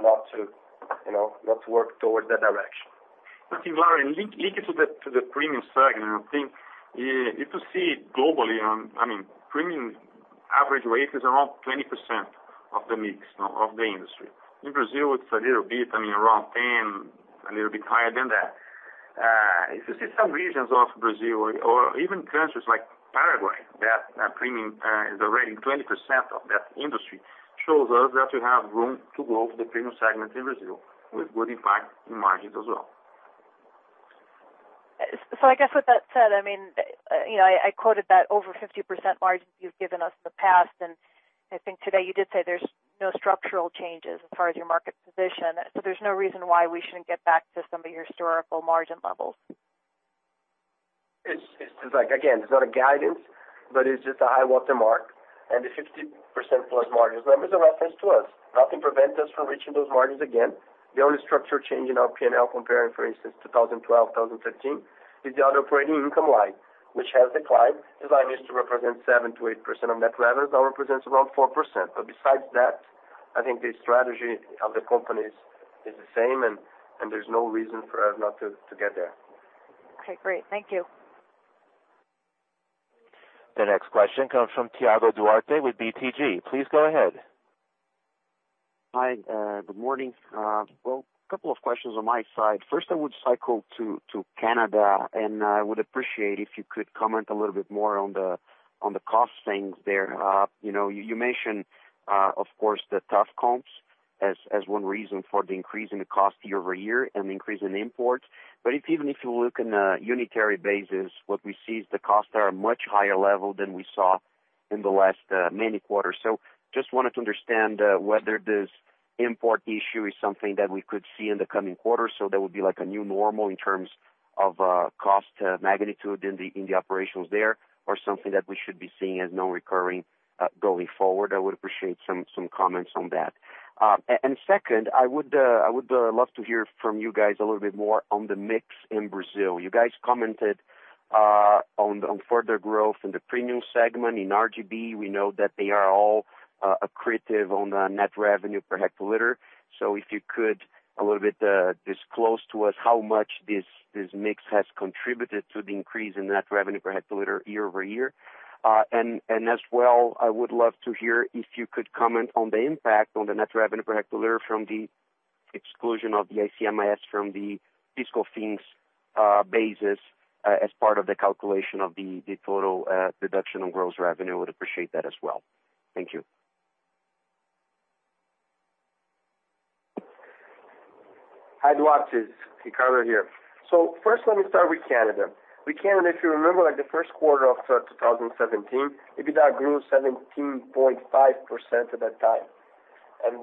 not to, you know, not to work towards that direction. I think, Lauren, linked to the, to the premium segment, I think if you see globally on, I mean, premium average rate is around 20% of the mix of the industry. In Brazil, it's a little bit, I mean, around 10%, a little bit higher than that. If you see some regions of Brazil or even countries like Paraguay, that premium is already 20% of that industry, shows us that we have room to grow the premium segment in Brazil with good impact in margins as well. I guess with that said, I mean, you know, I quoted that over 50% margin you've given us in the past, and I think today you did say there's no structural changes as far as your market position. There's no reason why we shouldn't get back to some of your historical margin levels. It's like again, it's not a guidance, but it's just a high watermark. The 50%+ margins, that was a reference to us. Nothing prevents us from reaching those margins again. The only structure change in our P&L comparing, for instance, 2012, 2013, is the other operating income line, which has declined. It was designed to represent 7-8% of net revenues. Now it represents around 4%. Besides that, I think the strategy of the company is the same and there's no reason for us not to get there. Okay, great. Thank you. The next question comes from Thiago Duarte with BTG. Please go ahead. Hi, good morning. Well, a couple of questions on my side. First, I would cycle to Canada, and I would appreciate if you could comment a little bit more on the cost things there. You know, you mentioned, of course, the tough comps as one reason for the increase in the cost year-over-year and the increase in imports. But even if you look on a unit basis, what we see is the costs are much higher level than we saw in the last many quarters. Just wanted to understand whether this import issue is something that we could see in the coming quarters. That would be like a new normal in terms of cost magnitude in the operations there, or something that we should be seeing as non-recurring going forward. I would appreciate some comments on that. Second, I would love to hear from you guys a little bit more on the mix in Brazil. You guys commented on further growth in the premium segment. In RGB, we know that they are all accretive on the net revenue per hectoliter. If you could a little bit disclose to us how much this mix has contributed to the increase in net revenue per hectoliter year-over-year. As well, I would love to hear if you could comment on the impact on the net revenue per hectoliter from the exclusion of the ICMS from the fiscal things basis as part of the calculation of the total deduction on gross revenue. I would appreciate that as well. Thank you. Hi, Duarte. Ricardo here. First, let me start with Canada. With Canada, if you remember, like the first quarter of 2017, EBITDA grew 17.5% at that time and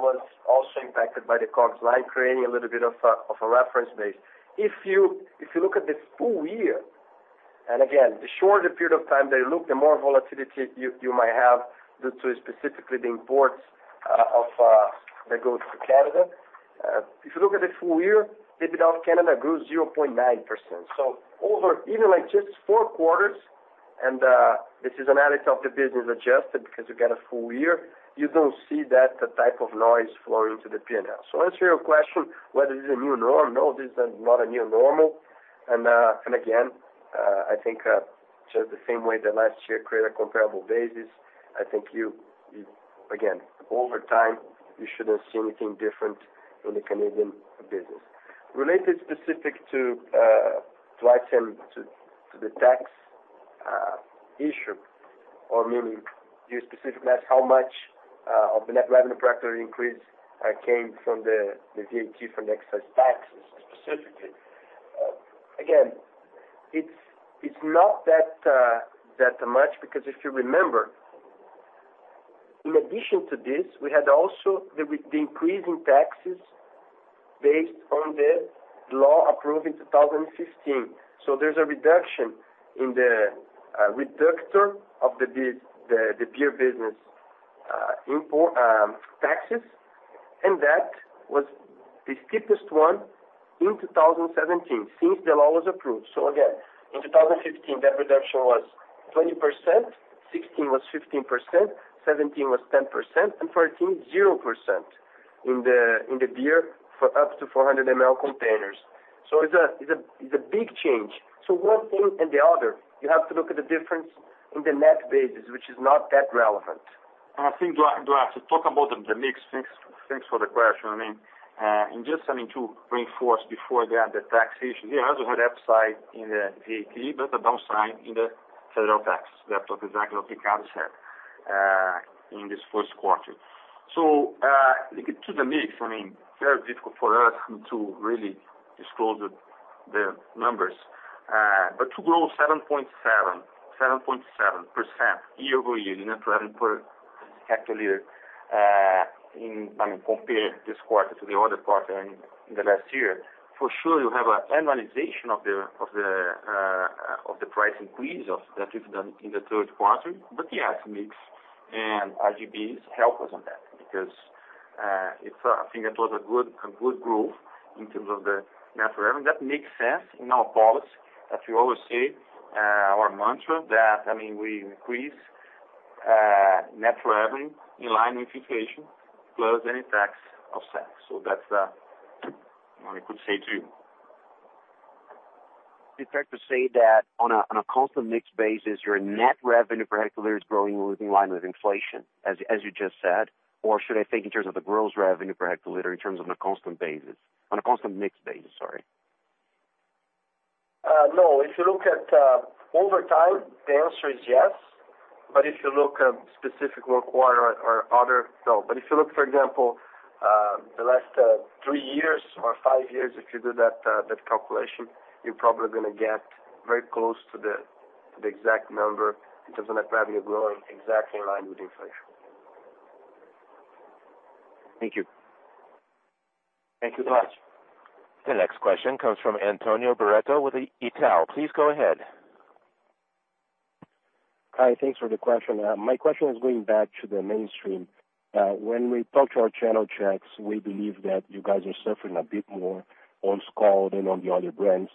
was also impacted by the COGS line, creating a little bit of a reference base. If you look at the full year, and again, the shorter period of time they look, the more volatility you might have due to specifically the imports of that goes to Canada. If you look at the full year, EBITDA of Canada grew 0.9%. Over even like just four quarters, this is analysis of the business adjusted because you get a full year, you don't see that type of noise flowing to the P&L. To answer your question, whether it's a new normal, no, this is not a new normal. I think, just the same way that last year created a comparable basis, I think you again, over time, you shouldn't see anything different in the Canadian business. Related specifically to the tax issue, meaning you specifically asked how much of the net revenue per hectoliter increase came from the VAT from the excise taxes specifically. Again, it's not that much because if you remember, in addition to this, we had also the increase in taxes based on the law approved in 2015. There's a reduction in the reductor of the beer business import taxes, and that was the steepest one in 2017 since the law was approved. Again, in 2015, that reduction was 20%, 2016 was 15%, 2017 was 10%, and 2014, 0% in the beer for up to 400 ml containers. It's a big change. One thing and the other, you have to look at the difference in the net basis, which is not that relevant. I think, Thiago Duarte, to talk about the mix, thanks for the question. I mean, just something to reinforce before that, the taxation, there is an upside in the VAT, but a downside in the federal tax. That's what exactly Ricardo said in this first quarter. To the mix, I mean, very difficult for us to really disclose the numbers. But to grow 7.7% year-over-year in net revenue per hectoliter, I mean, compare this quarter to the other quarter in the last year, for sure, you have an annualization of the price increase that we've done in the third quarter. Yes, mix and RGBs help us on that because it's a good growth in terms of the net revenue. That makes sense in our policy, as we always say, our mantra that, I mean, we increase net revenue in line with inflation plus any tax offset. That's what I could say to you. Is it fair to say that on a constant mix basis, your net revenue per hectare is growing in line with inflation, as you just said? Or should I think in terms of the gross revenue per hectare in terms of a constant mix basis, sorry. No. If you look at over time, the answer is yes. If you look at specific local or other, no. If you look, for example, the last three years or five years, if you do that calculation, you're probably gonna get very close to the exact number in terms of net revenue growing exactly in line with inflation. Thank you. Thank you very much. The next question comes from Antonio Barreto with Itaú BBA. Please go ahead. Hi, thanks for the question. My question is going back to the mainstream. When we talk to our channel checks, we believe that you guys are suffering a bit more on Skol than on the other brands.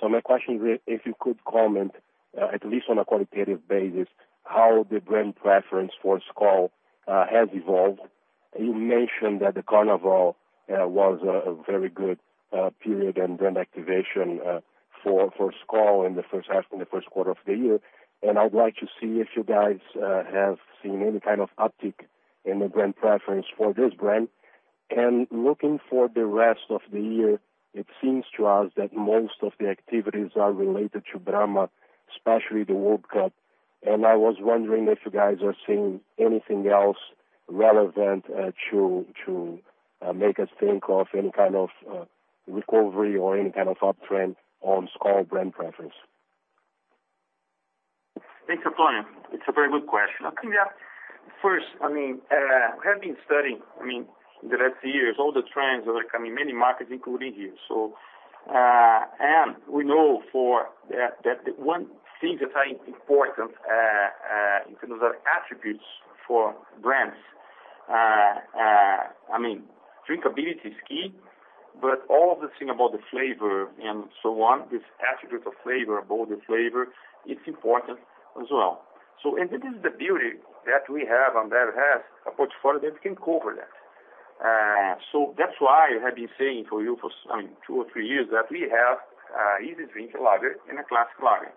So my question is, if you could comment, at least on a qualitative basis, how the brand preference for Skol has evolved. You mentioned that the Carnival was a very good period and brand activation for Skol in the first quarter of the year. I would like to see if you guys have seen any kind of uptick in the brand preference for this brand. Looking for the rest of the year, it seems to us that most of the activities are related to Brahma, especially the World Cup. I was wondering if you guys are seeing anything else relevant to make us think of any kind of recovery or any kind of uptrend on Skol brand preference? Thanks, Antonio. It's a very good question. I think that first, I mean, we have been studying, I mean, in the last years, all the trends that are coming in many markets including here. We know from that one thing that is important in terms of attributes for brands, I mean, drinkability is key, but all of the things about the flavor and so on, this attribute of flavor, it's important as well. This is the beauty that we have, Ambev has a portfolio that can cover that. That's why I have been saying to you for, I mean, two or three years, that we have easy-drinking lager and a classic lager.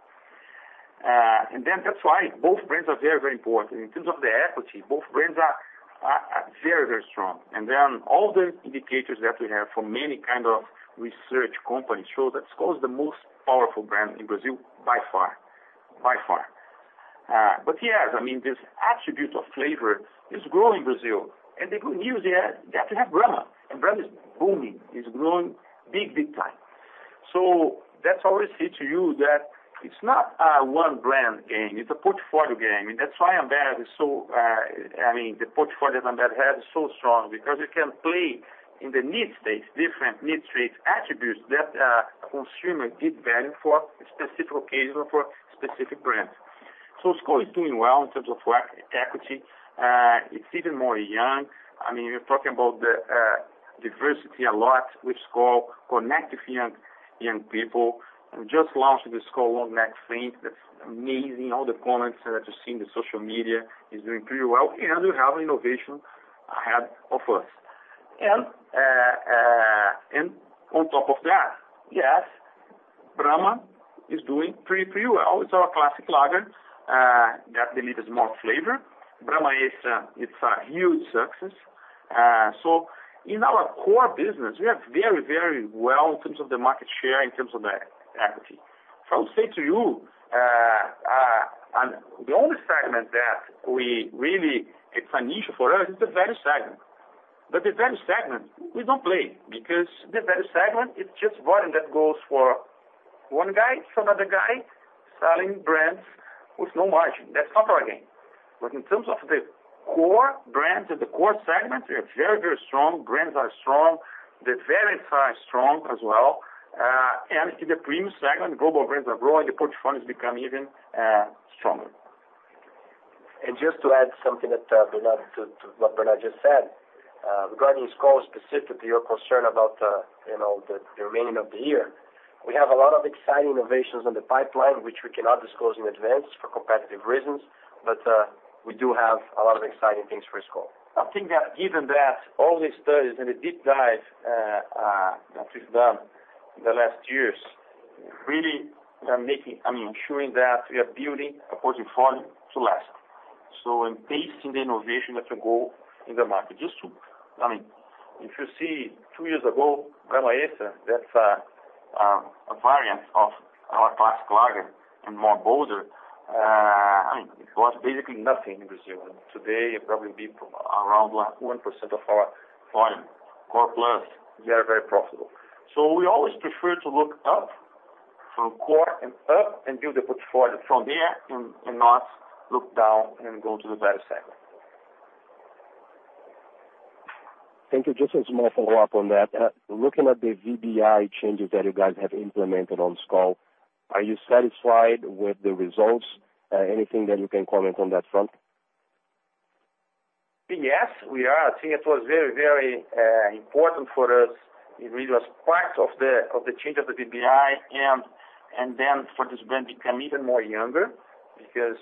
That's why both brands are very, very important. In terms of the equity, both brands are very, very strong. Then all the indicators that we have from many kind of research companies show that Skol is the most powerful brand in Brazil by far. But yes, I mean, this attribute of flavor is growing in Brazil. The good news there is that we have Brahma, and Brahma is booming, growing big time. That's what I always say to you that it's not a one brand game, it's a portfolio game. That's why Ambev is so, I mean, the portfolio that Ambev has is so strong because it can play in the need states, different need states, attributes that consumers value for specific occasion or for specific brands. Skol is doing well in terms of equity. It's even younger. I mean, we're talking about the diversity a lot with Skol, connecting young people. We just launched the Skol One Next thing, that's amazing. All the comments that you see in the social media is doing pretty well, and we have innovation ahead of us. On top of that, yes, Brahma is doing pretty well. It's our classic lager that delivers more flavor. Brahma is a huge success. In our core business, we are very well in terms of the market share, in terms of the equity. I'll say to you, the only segment that we really it's an issue for us is the value segment. The value segment, we don't play because the value segment is just volume that goes for one guy to another guy selling brands with no margin. That's not our game. In terms of the core brands and the core segments, we are very, very strong. Brands are strong. The variants are strong as well. In the premium segment, global brands are growing, the portfolio is becoming even stronger. Just to add something to what Bernardo just said. Regarding Skol specifically, your concern about, you know, the remainder of the year. We have a lot of exciting innovations in the pipeline, which we cannot disclose in advance for competitive reasons, but we do have a lot of exciting things for Skol. I think that given that all these studies and the deep dive that we've done in the last years really are making I mean, ensuring that we are building a portfolio to last. And based on the innovation that we do in the market. Just to I mean, if you see two years ago, Brahma Extra, that's a variant of our classic lager and more bolder I mean, it was basically nothing in Brazil. Today, it probably be around 1% of our volume. Core plus, we are very profitable. We always prefer to look up from core and up, and build the portfolio from there and not look down and go to the value segment. Thank you. Just a small follow-up on that. Looking at the VBI changes that you guys have implemented on Skol, are you satisfied with the results? Anything that you can comment on that front? Yes, we are. I think it was very important for us. It really was part of the change of the VBI and then for this brand become even more younger. Because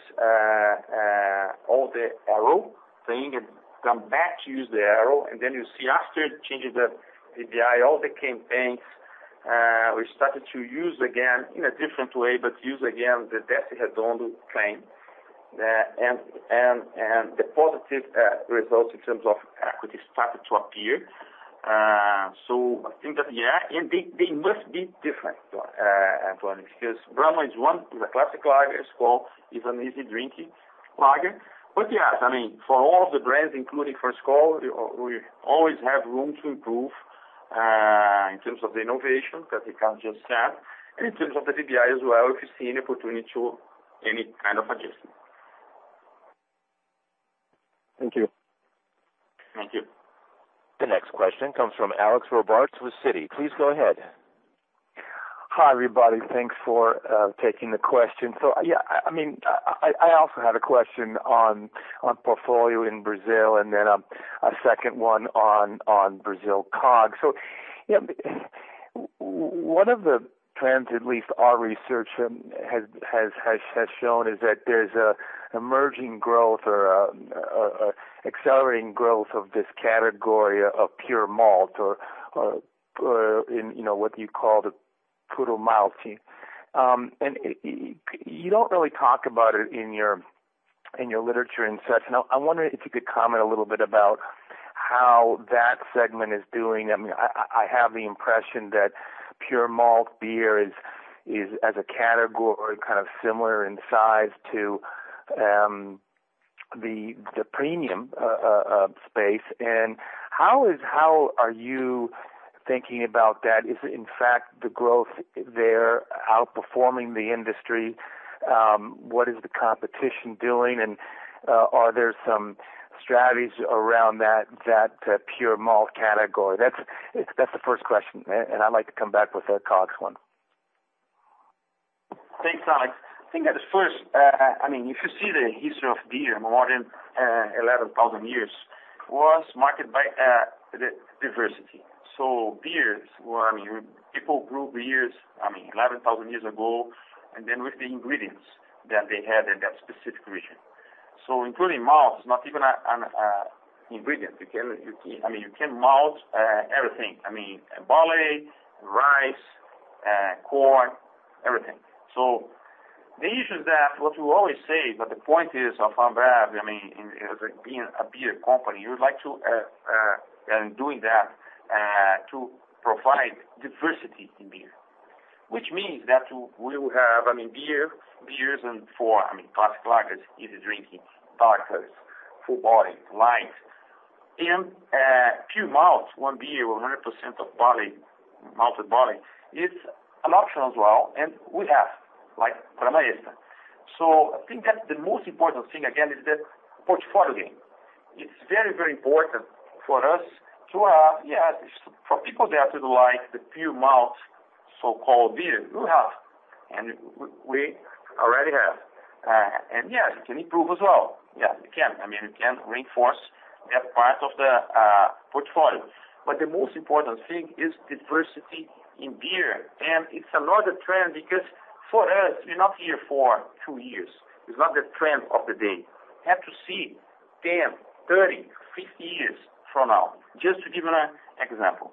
all the arrow thing had come back to use the arrow. Then you see after changing the VBI, all the campaigns, we started to use again in a different way, but use again the Desce Redondo claim, and the positive results in terms of equity started to appear. I think that, yeah, they must be different, Antonio Barreto, because Brahma is one, is a classic lager, Skol is an easy drinking lager. Yes, I mean, for all of the brands, including for Skol, we always have room to improve in terms of the innovation that Ricardo just said, and in terms of the VBI as well, if you see any opportunity to any kind of adjustment. Thank you. Thank you. The next question comes from Alex Robarts with Citi. Please go ahead. Hi, everybody. Thanks for taking the question. I mean, I also had a question on portfolio in Brazil, and then a second one on Brazil COGS. One of the trends, at least our research has shown is that there's emerging growth or accelerating growth of this category of pure malt or in, you know, what you call the puro malte. You don't really talk about it in your literature and such. Now, I wonder if you could comment a little bit about how that segment is doing. I mean, I have the impression that pure malt beer is as a category kind of similar in size to the premium space. How are you thinking about that? Is it in fact the growth there outperforming the industry? What is the competition doing? Are there some strategies around that pure malt category? That's the first question. I'd like to come back with a COGS one. Thanks, Alex. I think at first, I mean, if you see the history of beer, more than 11,000 years was marked by the diversity. Beers were, I mean, people grew beers, I mean, 11,000 years ago, and then with the ingredients that they had in that specific region. Including malt is not even an ingredient. You can, I mean, you can malt everything. I mean, barley, rice, corn, everything. The issue is that what we always say, but the point is of Ambev, I mean, as being a beer company, we would like to and doing that to provide diversity in beer. Which means that we will have, I mean, beer, beers and for, I mean, classic lagers, easy drinking lagers, full body, light. Pure malt, one beer, 100% of barley, malted barley, it's an option as well, and we have, like Tramessa. I think that the most important thing again is the portfolio game. It's very, very important for us to have, yes, for people that would like the pure malt so-called beer, we have, and we already have. Yes, it can improve as well. Yes, it can. I mean, it can reinforce that part of the portfolio. The most important thing is diversity in beer. It's not a trend because for us, we're not here for two years. It's not the trend of the day. We have to see 10, 30, 50 years from now, just to give an example.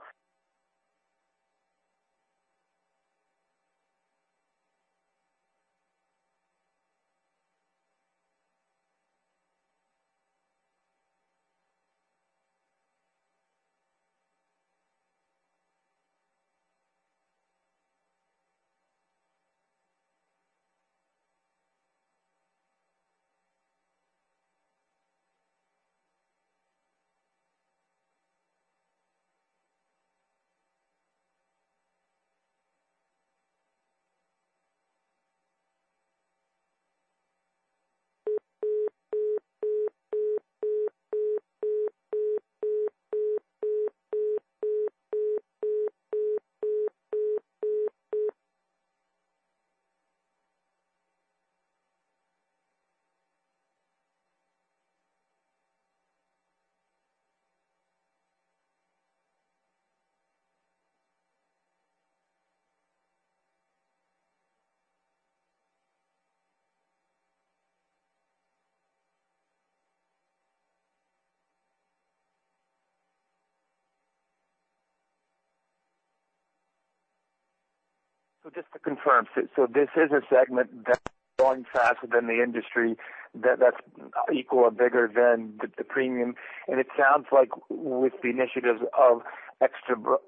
Just to confirm, this is a segment that's growing faster than the industry that's equal or bigger than the premium. It sounds like with the initiatives of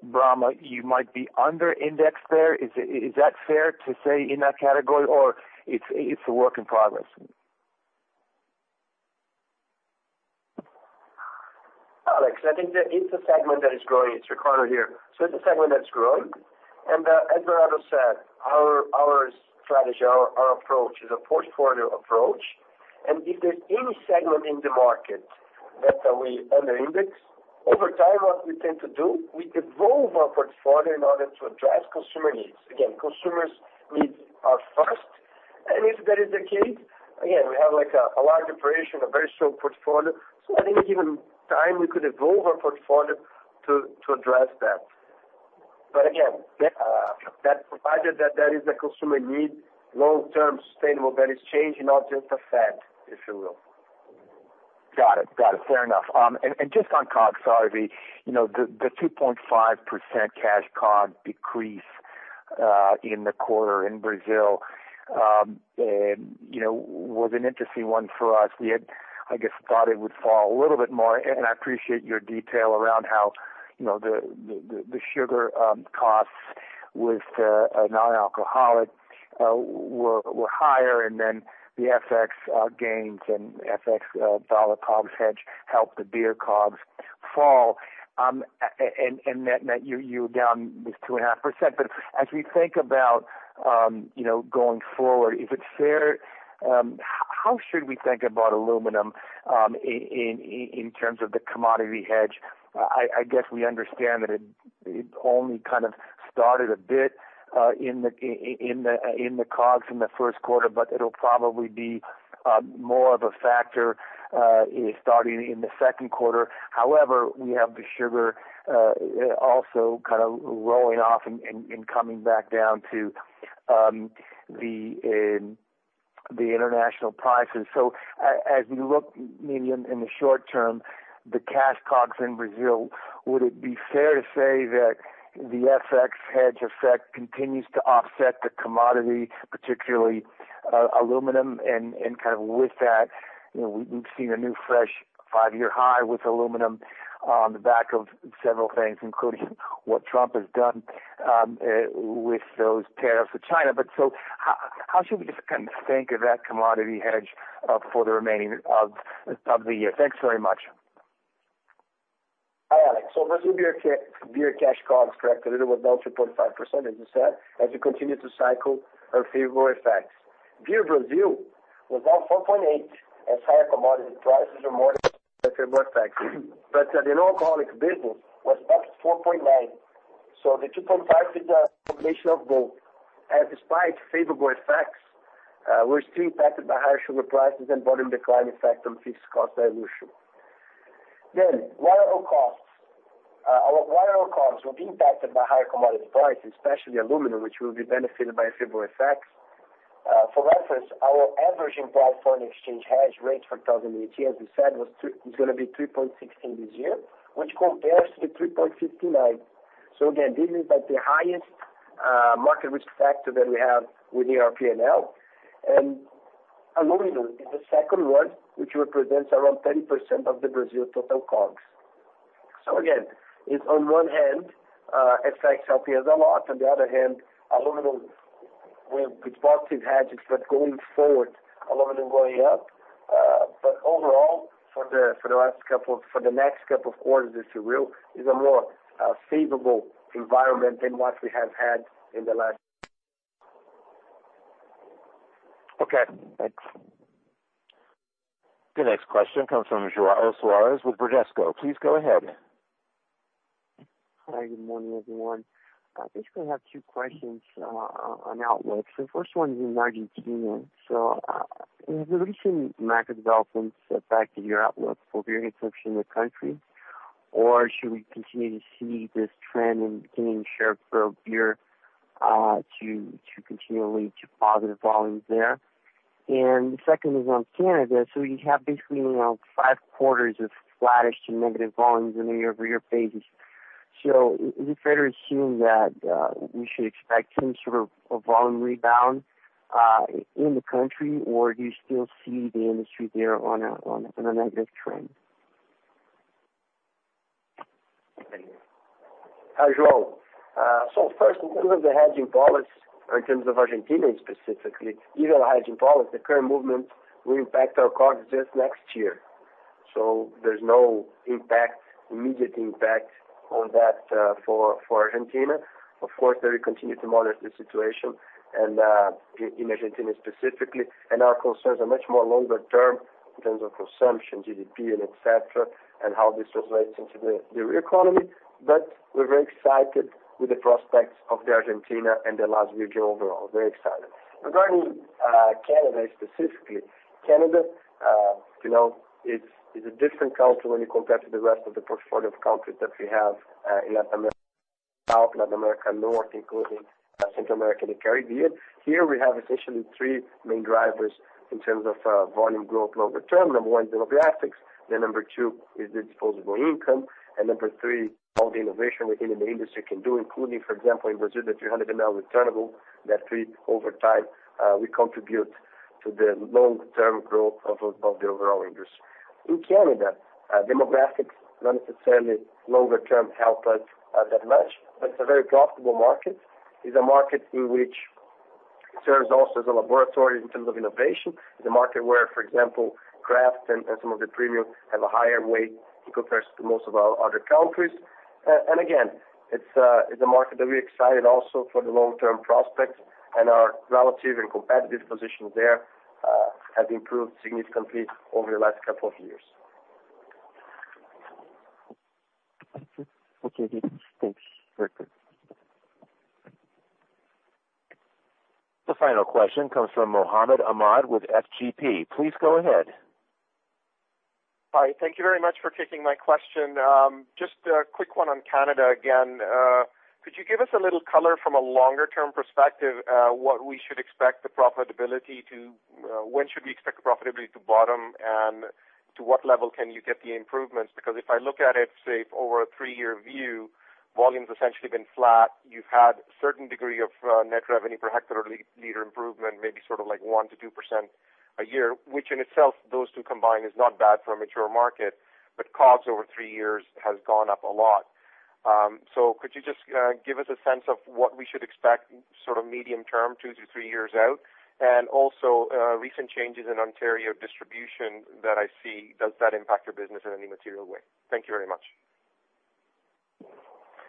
Brahma Extra, you might be under indexed there. Is that fair to say in that category or it's a work in progress? Alex, I think that it's a segment that is growing. It's Ricardo here. It's a segment that's growing. As Renato said, our strategy, our approach is a portfolio approach. If there's any segment in the market that we under index, over time, what we tend to do, we evolve our portfolio in order to address consumer needs. Again, consumer needs are first. If that is the case, again, we have a large operation, a very strong portfolio. At any given time, we could evolve our portfolio to address that. Again, that provided that there is a consumer need, long-term sustainable, that is changing, not just a fad, if you will. Got it. Fair enough. Just on COGS, sorry. You know, the 2.5% cash COGS decrease in the quarter in Brazil was an interesting one for us. We had, I guess, thought it would fall a little bit more, and I appreciate your detail around how, you know, the sugar costs with a non-alcoholic were higher and then the FX gains and FX dollar COGS hedge helped the beer COGS fall. Net, you're down this 2.5%. As we think about, you know, going forward, is it fair? How should we think about aluminum in terms of the commodity hedge? I guess we understand that it only kind of started a bit in the COGS in the first quarter, but it'll probably be more of a factor starting in the second quarter. However, we have the sugar also kind of rolling off and coming back down to the international prices. So as we look maybe in the short term, the cash COGS in Brazil, would it be fair to say that the FX hedge effect continues to offset the commodity, particularly aluminum and kind of with that, you know, we've seen a new fresh five-year high with aluminum on the back of several things, including what Trump has done with those tariffs for China. How should we just kind of think of that commodity hedge for the remaining of the year? Thanks very much. Hi, Alex. Brazil beer cash COGS corrected a little about 2.5%, as you said, as we continue to cycle our favorable effects. Beer Brazil was down 4.8% as higher commodity prices are more than favorable effects. The non-alcoholic business was up 4.9%. The 2.5% is a combination of both. Despite favorable effects, we're still impacted by higher sugar prices and volume decline effect on fixed cost evolution. Variable costs. Our variable costs will be impacted by higher commodity prices, especially aluminum, which will be benefited by favorable effects. For reference, our average implied foreign exchange hedge rate for 2018, as we said, is gonna be 3.16 this year, which compares to the 3.59. Again, this is like the highest market risk factor that we have within our P&L. Aluminum is the second one, which represents around 10% of the Brazil total COGS. Again, it's on one hand, FX helping us a lot. On the other hand, aluminum with positive hedges, but going forward, aluminum going up. Overall, for the next couple of quarters, if you will, is a more favorable environment than what we have had in the last. Okay, thanks. The next question comes from João Soares with Bradesco. Please go ahead. Hi, good morning, everyone. I basically have two questions on outlook. The first one is in Argentina. Has the recent macro developments affected your outlook for beer consumption in the country? Or should we continue to see this trend in gaining share for beer to continue to positive volumes there? The second is on Canada. You have basically, you know, five quarters of flattish to negative volumes in a year-over-year basis. Is it fair to assume that we should expect some sort of a volume rebound in the country? Or do you still see the industry there on a negative trend? Hi, João. First in terms of the hedging policy or in terms of Argentina specifically, given the hedging policy, the current movement will impact our COGS just next year. There's no impact, immediate impact on that, for Argentina. Of course, we will continue to monitor the situation and, in Argentina specifically, and our concerns are much more longer term in terms of consumption, GDP and et cetera, and how this relates into the economy. We're very excited with the prospects of the Argentina and the last region overall. Very excited. Regarding Canada specifically, you know, it's a different country when you compare to the rest of the portfolio of countries that we have, in Latin America South, Latin America North, including Central America and the Caribbean. Here we have essentially three main drivers in terms of volume growth longer term. Number one, demographics. Number two is the disposable income. Number three, all the innovation within the industry can do, including, for example, in Brazil, the 300 mL returnable that we over time, we contribute to the long-term growth of the overall industry. In Canada, demographics not necessarily longer term help us that much, but it's a very profitable market. It's a market in which it serves also as a laboratory in terms of innovation. It's a market where, for example, craft and some of the premium have a higher weight in comparison to most of our other countries. Again, it's a market that we're excited also for the long-term prospects and our relative and competitive position there have improved significantly over the last couple of years. Okay. Okay, thank you. Thanks. Very good. The final question comes from Mohammed Ahmad with FGP. Please go ahead. Hi. Thank you very much for taking my question. Just a quick one on Canada again. Could you give us a little color from a longer term perspective, when should we expect profitability to bottom, and to what level can you get the improvements? Because if I look at it, say, over a three-year view, volume's essentially been flat. You've had a certain degree of net revenue per hectoliter or liter improvement, maybe sort of like 1-2% a year, which in itself, those two combined is not bad for a mature market, but COGS over three years has gone up a lot. Could you just give us a sense of what we should expect sort of medium term, 2-3 years out? Also, recent changes in Ontario distribution that I see, does that impact your business in any material way? Thank you very much.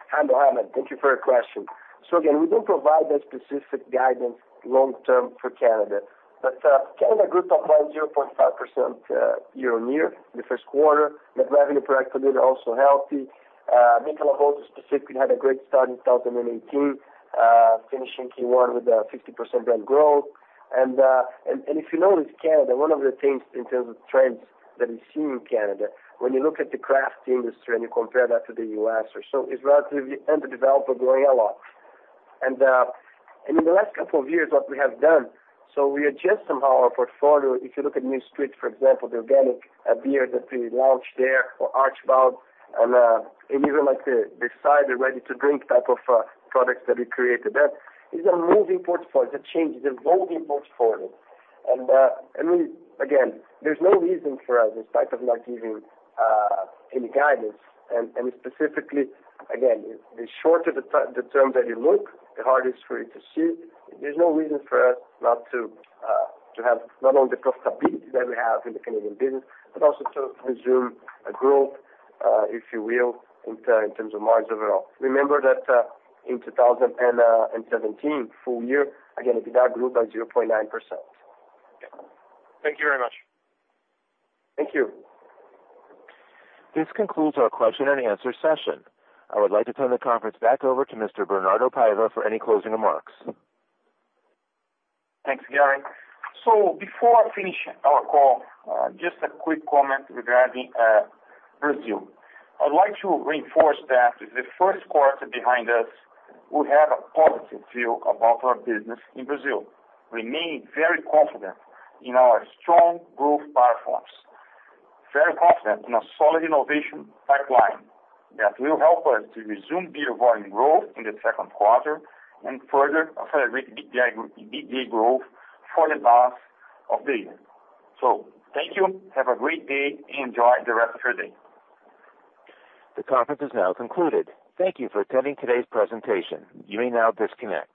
Hi, Mohammed. Thank you for your question. Again, we don't provide that specific guidance long term for Canada. Canada grew top line 0.5%, year-on-year in the first quarter. Net revenue per hectoliter also healthy. Michelob Ultra specifically had a great start in 2018, finishing Q1 with 50% organic growth. If you notice Canada, one of the things in terms of trends that we see in Canada, when you look at the craft industry and you compare that to the U.S. or so, is relatively underdeveloped but growing a lot. In the last couple of years, what we have done, so we adjust somehow our portfolio. If you look at Mill Street, for example, the organic beer that we launched there or Archibald and even like the cider ready to drink type of products that we created there, it's a moving portfolio. It's a change. It's evolving portfolio. Again, there's no reason for us, despite of not giving any guidance and specifically again, the shorter the term that you look, the harder for you to see. There's no reason for us not to have not only the profitability that we have in the Canadian business, but also to resume a growth, if you will, in terms of margins overall. Remember that in 2017 full year, again, EBITDA grew by 0.9%. Thank you very much. Thank you. This concludes our question and answer session. I would like to turn the conference back over to Mr. Bernardo Paiva for any closing remarks. Thanks, Operator. Before finishing our call, just a quick comment regarding Brazil. I'd like to reinforce that with the first quarter behind us, we have a positive view about our business in Brazil. We remain very confident in our strong growth platforms. Very confident in a solid innovation pipeline that will help us to resume beer volume growth in the second quarter and further accelerate EBITDA growth for the rest of the year. Thank you. Have a great day. Enjoy the rest of your day. The conference is now concluded. Thank you for attending today's presentation. You may now disconnect.